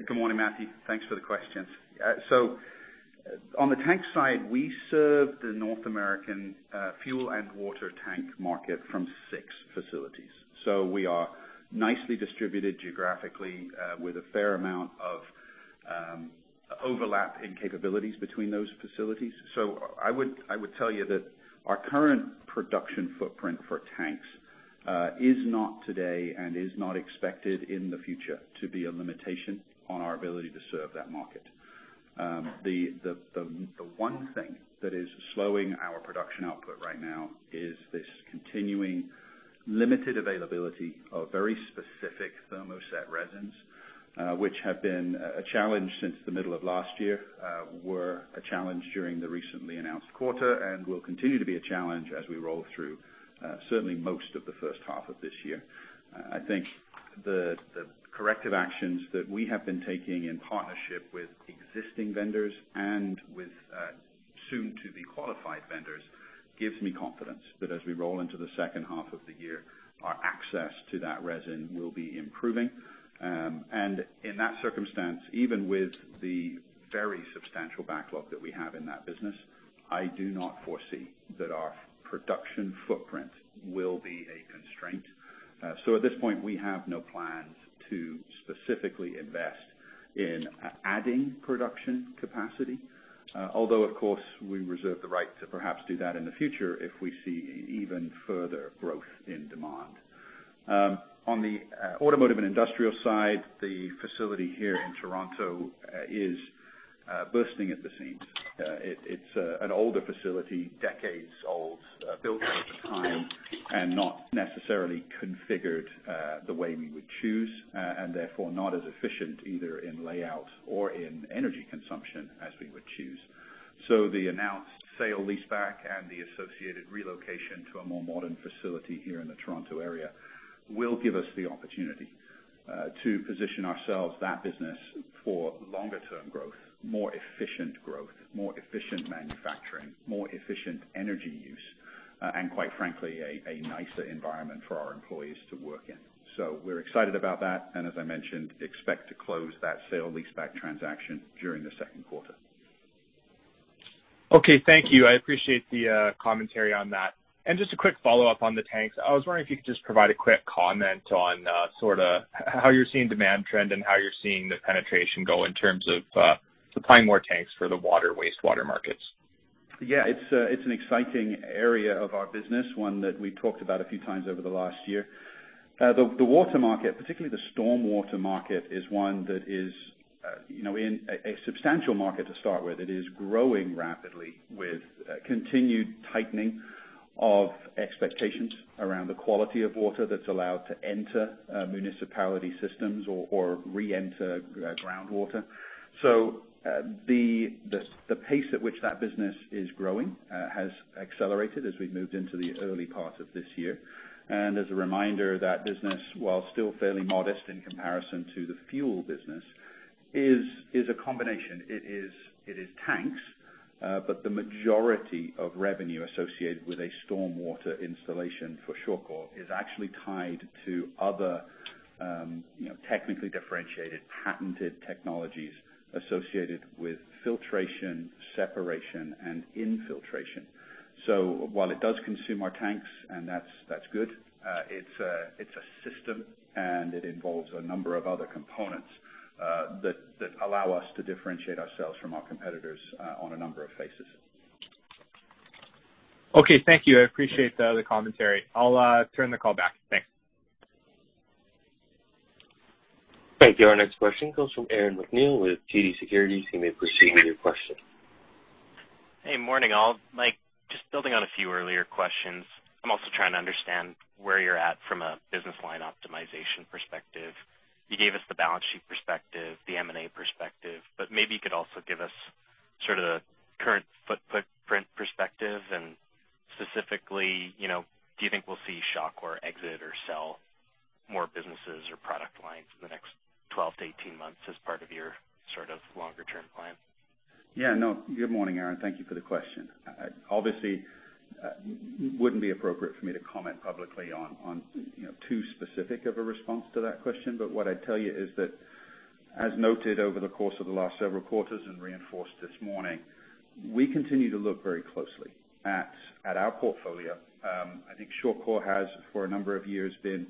Good morning, Matthew. Thanks for the questions. On the tank side, we serve the North American fuel and water tank market from six facilities. We are nicely distributed geographically with a fair amount of overlap in capabilities between those facilities. I would tell you that our current production footprint for tanks is not today and is not expected in the future to be a limitation on our ability to serve that market. The one thing that is slowing our production output right now is this continuing limited availability of very specific thermoset resins, which have been a challenge since the middle of last year, were a challenge during the recently announced quarter and will continue to be a challenge as we roll through certainly most of the first half of this year. I think the corrective actions that we have been taking in partnership with existing vendors and with soon-to-be qualified vendors gives me confidence that as we roll into the second half of the year, our access to that resin will be improving. In that circumstance, even with the very substantial backlog that we have in that business, I do not foresee that our production footprint will be a constraint. At this point, we have no plans to specifically invest in adding production capacity, although of course, we reserve the right to perhaps do that in the future if we see even further growth in demand. On the Automotive & Industrial side, the facility here in Toronto is bursting at the seams. It's an older facility, decades old, built over time and not necessarily configured the way we would choose, and therefore not as efficient either in layout or in energy consumption as we would choose. The announced sale leaseback and the associated relocation to a more modern facility here in the Toronto area will give us the opportunity to position ourselves, that business for longer term growth, more efficient growth, more efficient manufacturing, more efficient energy use, and quite frankly, a nicer environment for our employees to work in. We're excited about that, and as I mentioned, we expect to close that sale leaseback transaction during the second quarter. Okay, thank you. I appreciate the commentary on that. Just a quick follow-up on the tanks. I was wondering if you could just provide a quick comment on sorta how you're seeing demand trend and how you're seeing the penetration go in terms of supplying more tanks for the water, wastewater markets. Yeah, it's an exciting area of our business, one that we talked about a few times over the last year. The water market, particularly the storm water market, is one that is, you know, in a substantial market to start with. It is growing rapidly with continued tightening of expectations around the quality of water that's allowed to enter municipality systems or reenter groundwater. The pace at which that business is growing has accelerated as we've moved into the early part of this year. As a reminder, that business, while still fairly modest in comparison to the fuel business, is a combination. It is tanks, but the majority of revenue associated with a stormwater installation for Shawcor is actually tied to other, you know, technically differentiated patented technologies associated with filtration, separation, and infiltration. While it does consume our tanks, and that's good, it's a system, and it involves a number of other components that allow us to differentiate ourselves from our competitors on a number of fronts. Okay. Thank you. I appreciate the commentary. I'll turn the call back. Thanks. Thank you. Our next question comes from Aaron MacNeil with TD Securities. You may proceed with your question. Hey, morning all. Mike, just building on a few earlier questions. I'm also trying to understand where you're at from a business line optimization perspective. You gave us the balance sheet perspective, the M&A perspective, but maybe you could also give us sort of the current footprint perspective and specifically, you know, do you think we'll see Shawcor exit or sell more businesses or product lines in the next 12-18 months as part of your sort of longer term plan? Yeah, no, good morning, Aaron. Thank you for the question. Obviously, it wouldn't be appropriate for me to comment publicly on, you know, too specific of a response to that question. What I'd tell you is that as noted over the course of the last several quarters and reinforced this morning, we continue to look very closely at our portfolio. I think Shawcor has for a number of years been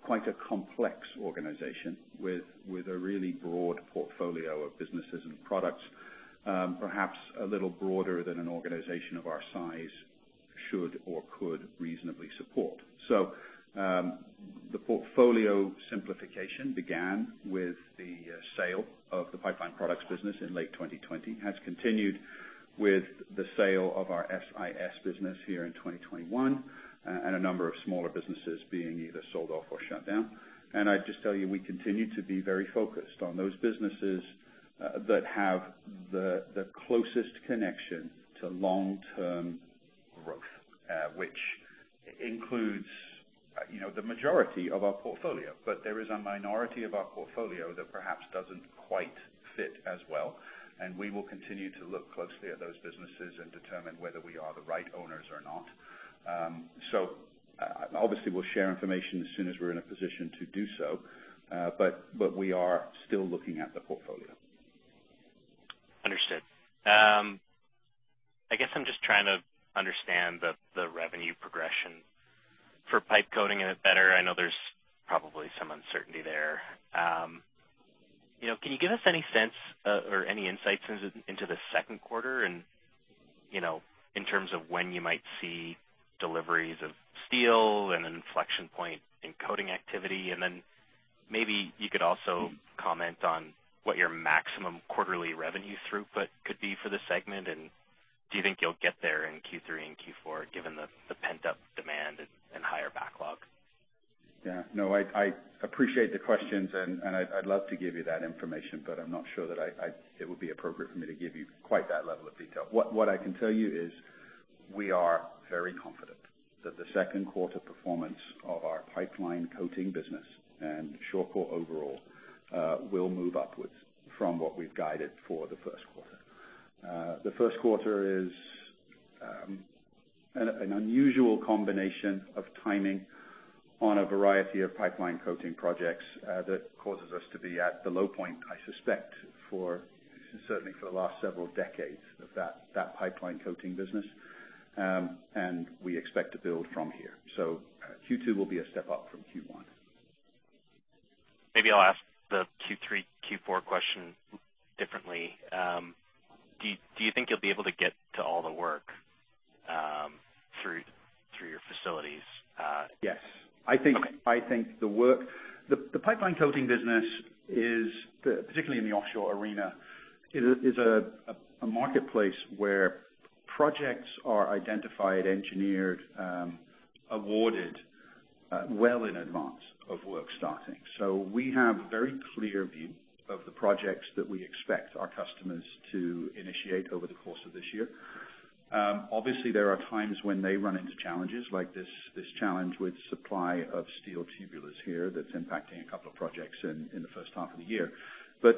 quite a complex organization with a really broad portfolio of businesses and products, perhaps a little broader than an organization of our size should or could reasonably support. The portfolio simplification began with the sale of the pipeline products business in late 2020, has continued with the sale of our SIS business here in 2021, and a number of smaller businesses being either sold off or shut down. I'd just tell you, we continue to be very focused on those businesses that have the closest connection to long-term growth, which includes, you know, the majority of our portfolio. There is a minority of our portfolio that perhaps doesn't quite fit as well, and we will continue to look closely at those businesses and determine whether we are the right owners or not. Obviously, we'll share information as soon as we're in a position to do so, but we are still looking at the portfolio. Understood. I guess I'm just trying to understand the revenue progression for pipe coating a bit better. I know there's probably some uncertainty there. You know, can you give us any sense or any insights into the second quarter in terms of when you might see deliveries of steel and an inflection point in coating activity? And then maybe you could also comment on what your maximum quarterly revenue throughput could be for this segment. And do you think you'll get there in Q3 and Q4 given the pent-up demand and higher backlogs? Yeah. No, I appreciate the questions and I'd love to give you that information, but I'm not sure that it would be appropriate for me to give you quite that level of detail. What I can tell you is we are very confident that the second quarter performance of our pipeline coating business and Shawcor overall will move upwards from what we've guided for the first quarter. The first quarter is an unusual combination of timing on a variety of pipeline coating projects that causes us to be at the low point, I suspect, certainly for the last several decades of that pipeline coating business. We expect to build from here. Q2 will be a step up from Q1. Maybe I'll ask the Q3, Q4 question differently. Do you think you'll be able to get to all the work through your facilities? Yes. Okay. The pipeline coating business is, particularly in the offshore arena, a marketplace where projects are identified, engineered, awarded well in advance of work starting. We have a very clear view of the projects that we expect our customers to initiate over the course of this year. Obviously, there are times when they run into challenges like this challenge with supply of steel tubulars here that's impacting a couple of projects in the first half of the year.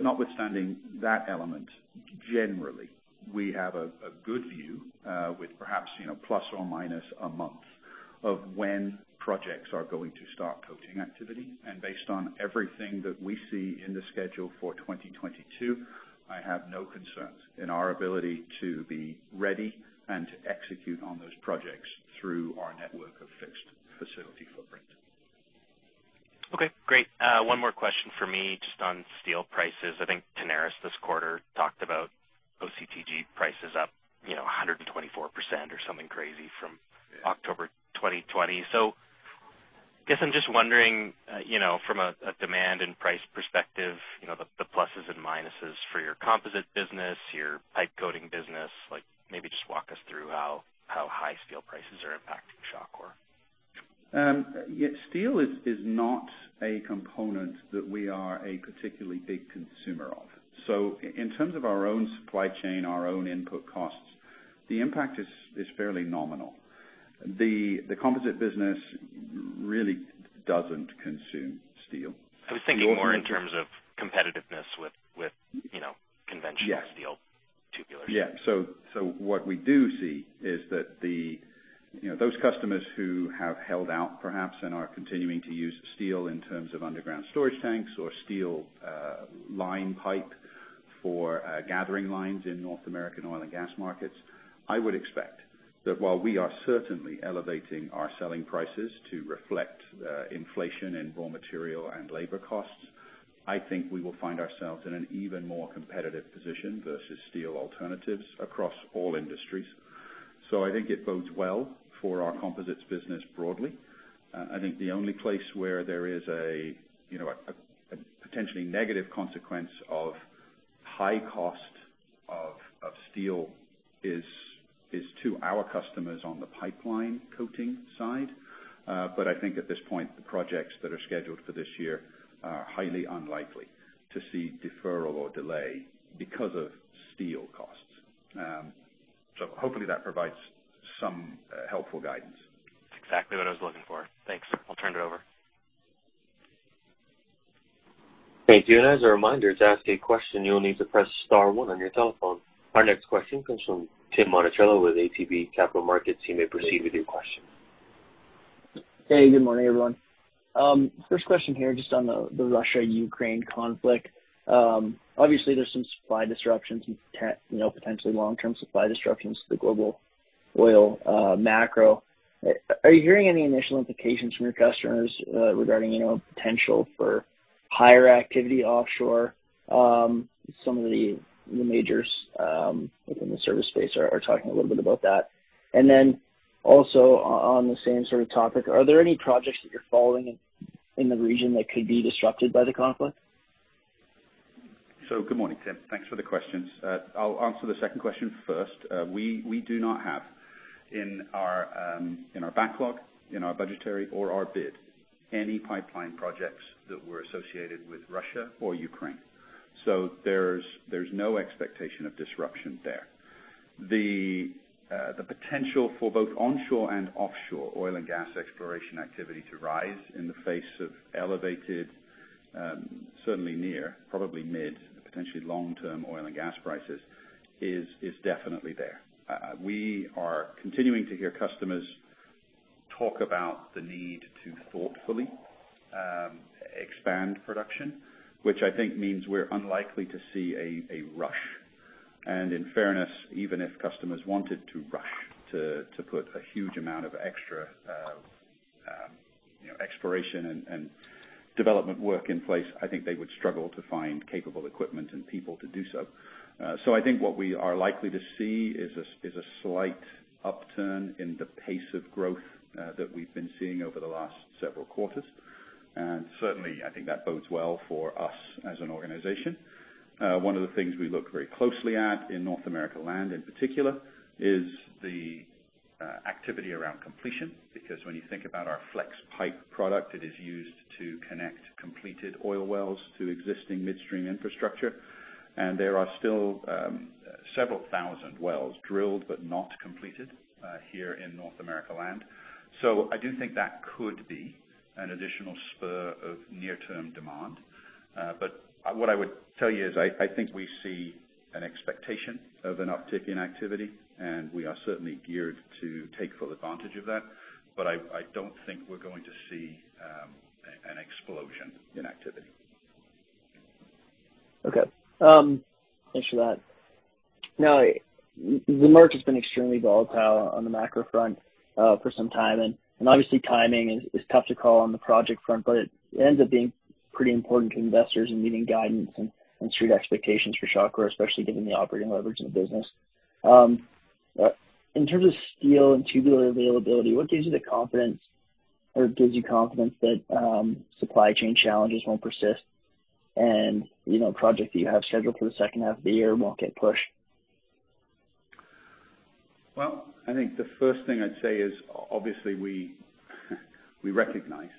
Notwithstanding that element, generally, we have a good view with perhaps, you know, plus or minus a month of when projects are going to start coating activity. Based on everything that we see in the schedule for 2022, I have no concerns in our ability to be ready and to execute on those projects through our network of fixed facility footprint. Okay, great. One more question for me just on steel prices. I think Tenaris this quarter talked about OCTG prices up, you know, 124% or something crazy from October 2020. I guess I'm just wondering, you know, from a demand and price perspective, you know, the pluses and minuses for your composite business, your pipe coating business, like maybe just walk us through how high steel prices are impacting Shawcor. Yeah, steel is not a component that we are a particularly big consumer of. In terms of our own supply chain, our own input costs, the impact is fairly nominal. The composite business really doesn't consume steel. I was thinking more in terms of competitiveness with you know conventional. Yeah. steel tubular. What we do see is that those customers who have held out perhaps and are continuing to use steel in terms of underground storage tanks or steel line pipe for gathering lines in North American oil and gas markets, I would expect that while we are certainly elevating our selling prices to reflect inflation in raw material and labor costs. I think we will find ourselves in an even more competitive position versus steel alternatives across all industries. I think it bodes well for our composites business broadly. I think the only place where there is a potentially negative consequence of high cost of steel is to our customers on the pipeline coating side. I think at this point, the projects that are scheduled for this year are highly unlikely to see deferral or delay because of steel costs. Hopefully that provides some helpful guidance. That's exactly what I was looking for. Thanks. I'll turn it over. Thank you. As a reminder, to ask a question, you will need to press star one on your telephone. Our next question comes from Tim Monachello with ATB Capital Markets. You may proceed with your question. Hey, good morning, everyone. First question here, just on the Russia-Ukraine conflict. Obviously there's some supply disruptions and you know, potentially long-term supply disruptions to the global oil macro. Are you hearing any initial implications from your customers regarding you know, potential for higher activity offshore? Some of the majors within the service space are talking a little bit about that. Also on the same sort of topic, are there any projects that you're following in the region that could be disrupted by the conflict? Good morning, Tim. Thanks for the questions. I'll answer the second question first. We do not have in our backlog, in our budgetary or our bid any pipeline projects that were associated with Russia or Ukraine. There's no expectation of disruption there. The potential for both onshore and offshore oil and gas exploration activity to rise in the face of elevated, certainly near, probably mid, potentially long-term oil and gas prices is definitely there. We are continuing to hear customers talk about the need to thoughtfully expand production, which I think means we're unlikely to see a rush. In fairness, even if customers wanted to rush to put a huge amount of extra, you know, exploration and development work in place, I think they would struggle to find capable equipment and people to do so. I think what we are likely to see is a slight upturn in the pace of growth that we've been seeing over the last several quarters. Certainly, I think that bodes well for us as an organization. One of the things we look very closely at in North America Land in particular is the activity around completion. Because when you think about our Flexpipe product, it is used to connect completed oil wells to existing midstream infrastructure. There are still several thousand wells drilled but not completed here in North America Land. I do think that could be an additional spur of near-term demand. What I would tell you is I think we see an expectation of an uptick in activity, and we are certainly geared to take full advantage of that. I don't think we're going to see an explosion in activity. Okay. Thanks for that. Now, the market's been extremely volatile on the macro front, for some time, and obviously timing is tough to call on the project front, but it ends up being pretty important to investors and needing guidance and Street expectations for Shawcor, especially given the operating leverage in the business. In terms of steel and tubular availability, what gives you the confidence or gives you confidence that supply chain challenges won't persist and, you know, projects that you have scheduled for the second half of the year won't get pushed? Well, I think the first thing I'd say is obviously, we recognize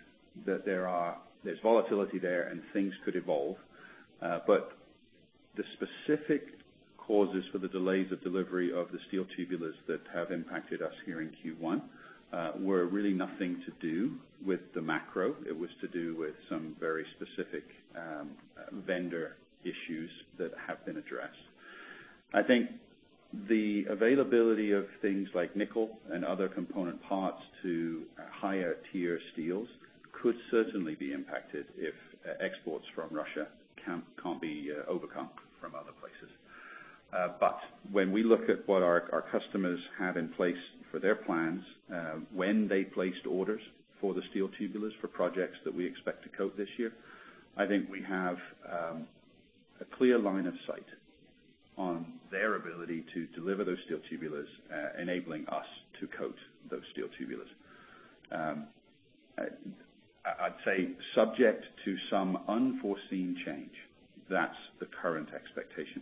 that there's volatility there and things could evolve. The specific causes for the delays of delivery of the steel tubulars that have impacted us here in Q1 were really nothing to do with the macro. It was to do with some very specific vendor issues that have been addressed. I think the availability of things like nickel and other component parts to higher tier steels could certainly be impacted if exports from Russia can't be overcome from other places. When we look at what our customers have in place for their plans, when they placed orders for the steel tubulars for projects that we expect to coat this year, I think we have a clear line of sight on their ability to deliver those steel tubulars, enabling us to coat those steel tubulars. I'd say subject to some unforeseen change, that's the current expectation.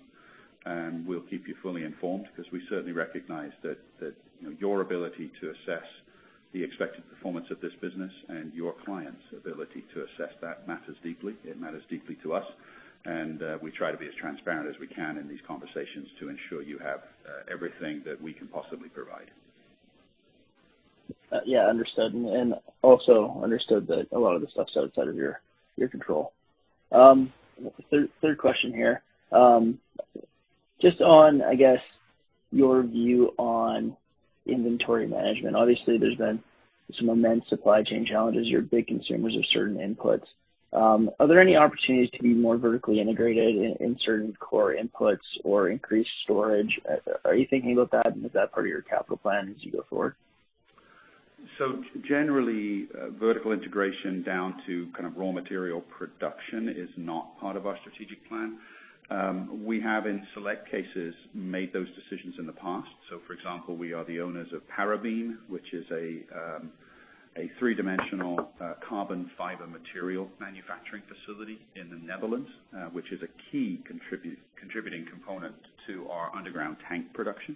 We'll keep you fully informed because we certainly recognize that, you know, your ability to assess the expected performance of this business and your clients' ability to assess that matters deeply. It matters deeply to us. We try to be as transparent as we can in these conversations to ensure you have everything that we can possibly provide. Yeah, understood. Also understood that a lot of this stuff's outside of your control. Third question here. Just on, I guess, your view on inventory management. Obviously, there's been some immense supply chain challenges. You're big consumers of certain inputs. Are there any opportunities to be more vertically integrated in certain core inputs or increased storage? Are you thinking about that? Is that part of your capital plan as you go forward? Generally, vertical integration down to kind of raw material production is not part of our strategic plan. We have in select cases made those decisions in the past. For example, we are the owners of Parabeam, which is a three-dimensional carbon fiber material manufacturing facility in the Netherlands, which is a key contributing component to our underground tank production.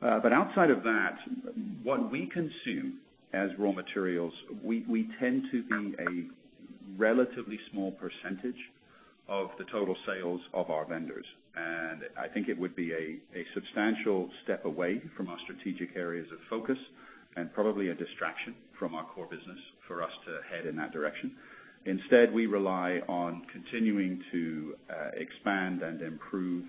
But outside of that, what we consume as raw materials, we tend to be a relatively small percentage of the total sales of our vendors. I think it would be a substantial step away from our strategic areas of focus and probably a distraction from our core business for us to head in that direction. Instead, we rely on continuing to expand and improve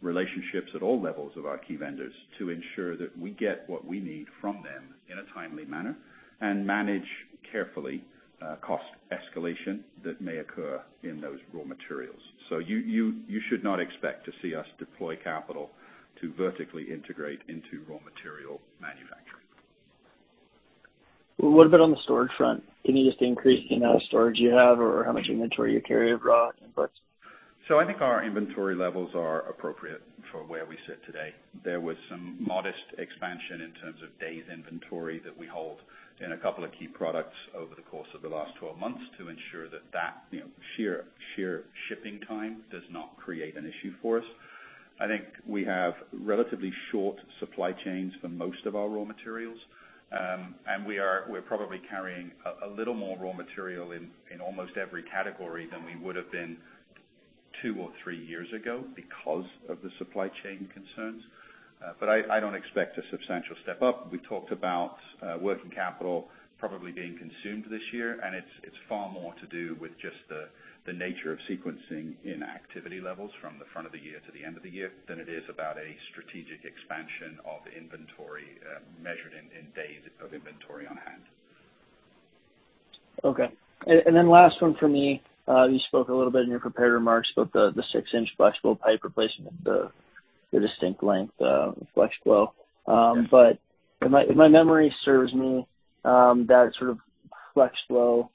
relationships at all levels of our key vendors to ensure that we get what we need from them in a timely manner and manage carefully cost escalation that may occur in those raw materials. You should not expect to see us deploy capital to vertically integrate into raw material manufacturing. What about on the storage front? Can you just increase the amount of storage you have or how much inventory you carry of raw inputs? I think our inventory levels are appropriate for where we sit today. There was some modest expansion in terms of days inventory that we hold in a couple of key products over the course of the last 12 months to ensure that sheer shipping time does not create an issue for us. I think we have relatively short supply chains for most of our raw materials. We're probably carrying a little more raw material in almost every category than we would have been two or three years ago because of the supply chain concerns. I don't expect a substantial step up. We talked about working capital probably being consumed this year, and it's far more to do with just the nature of sequencing in activity levels from the front of the year to the end of the year than it is about a strategic expansion of inventory, measured in days of inventory on hand. Okay. Last one for me. You spoke a little bit in your prepared remarks about the six-inch flexible pipe replacement, the distinct length of FlexFlow. If my memory serves me, that sort of FlexFlow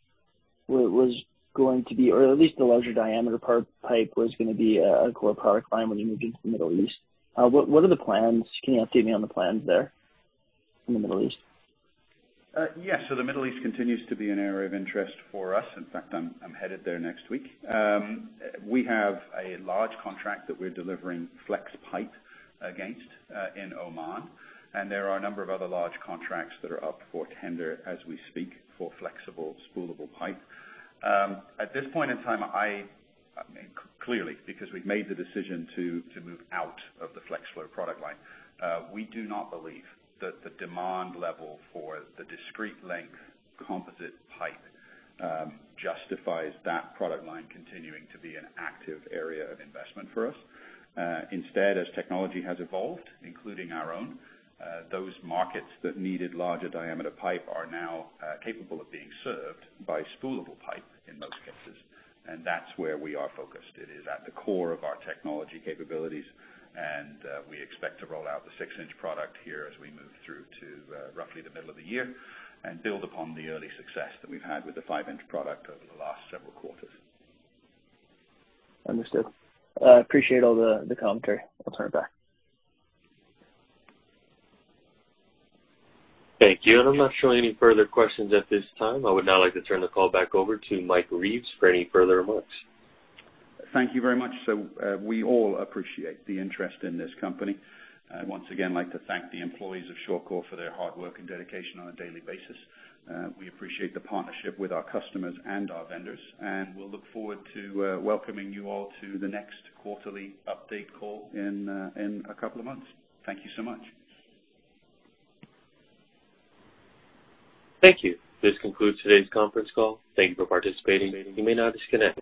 was going to be, or at least the larger diameter pipe was gonna be a core product line when you move into the Middle East. What are the plans? Can you update me on the plans there in the Middle East? Yes. The Middle East continues to be an area of interest for us. In fact, I'm headed there next week. We have a large contract that we're delivering Flexpipe against in Oman, and there are a number of other large contracts that are up for tender as we speak for flexible spoolable pipe. At this point in time, I mean, clearly, because we've made the decision to move out of the FlexFlow product line, we do not believe that the demand level for the discrete length composite pipe justifies that product line continuing to be an active area of investment for us. Instead, as technology has evolved, including our own, those markets that needed larger diameter pipe are now capable of being served by spoolable pipe in most cases, and that's where we are focused. It is at the core of our technology capabilities, and we expect to roll out the six-inch product here as we move through to roughly the middle of the year and build upon the early success that we've had with the five-inch product over the last several quarters. Understood. Appreciate all the commentary. I'll turn it back. Thank you. I'm not showing any further questions at this time. I would now like to turn the call back over to Mike Reeves for any further remarks. Thank you very much. We all appreciate the interest in this company. I'd once again like to thank the employees of Shawcor for their hard work and dedication on a daily basis. We appreciate the partnership with our customers and our vendors, and we'll look forward to welcoming you all to the next quarterly update call in a couple of months. Thank you so much. Thank you. This concludes today's conference call. Thank you for participating. You may now disconnect.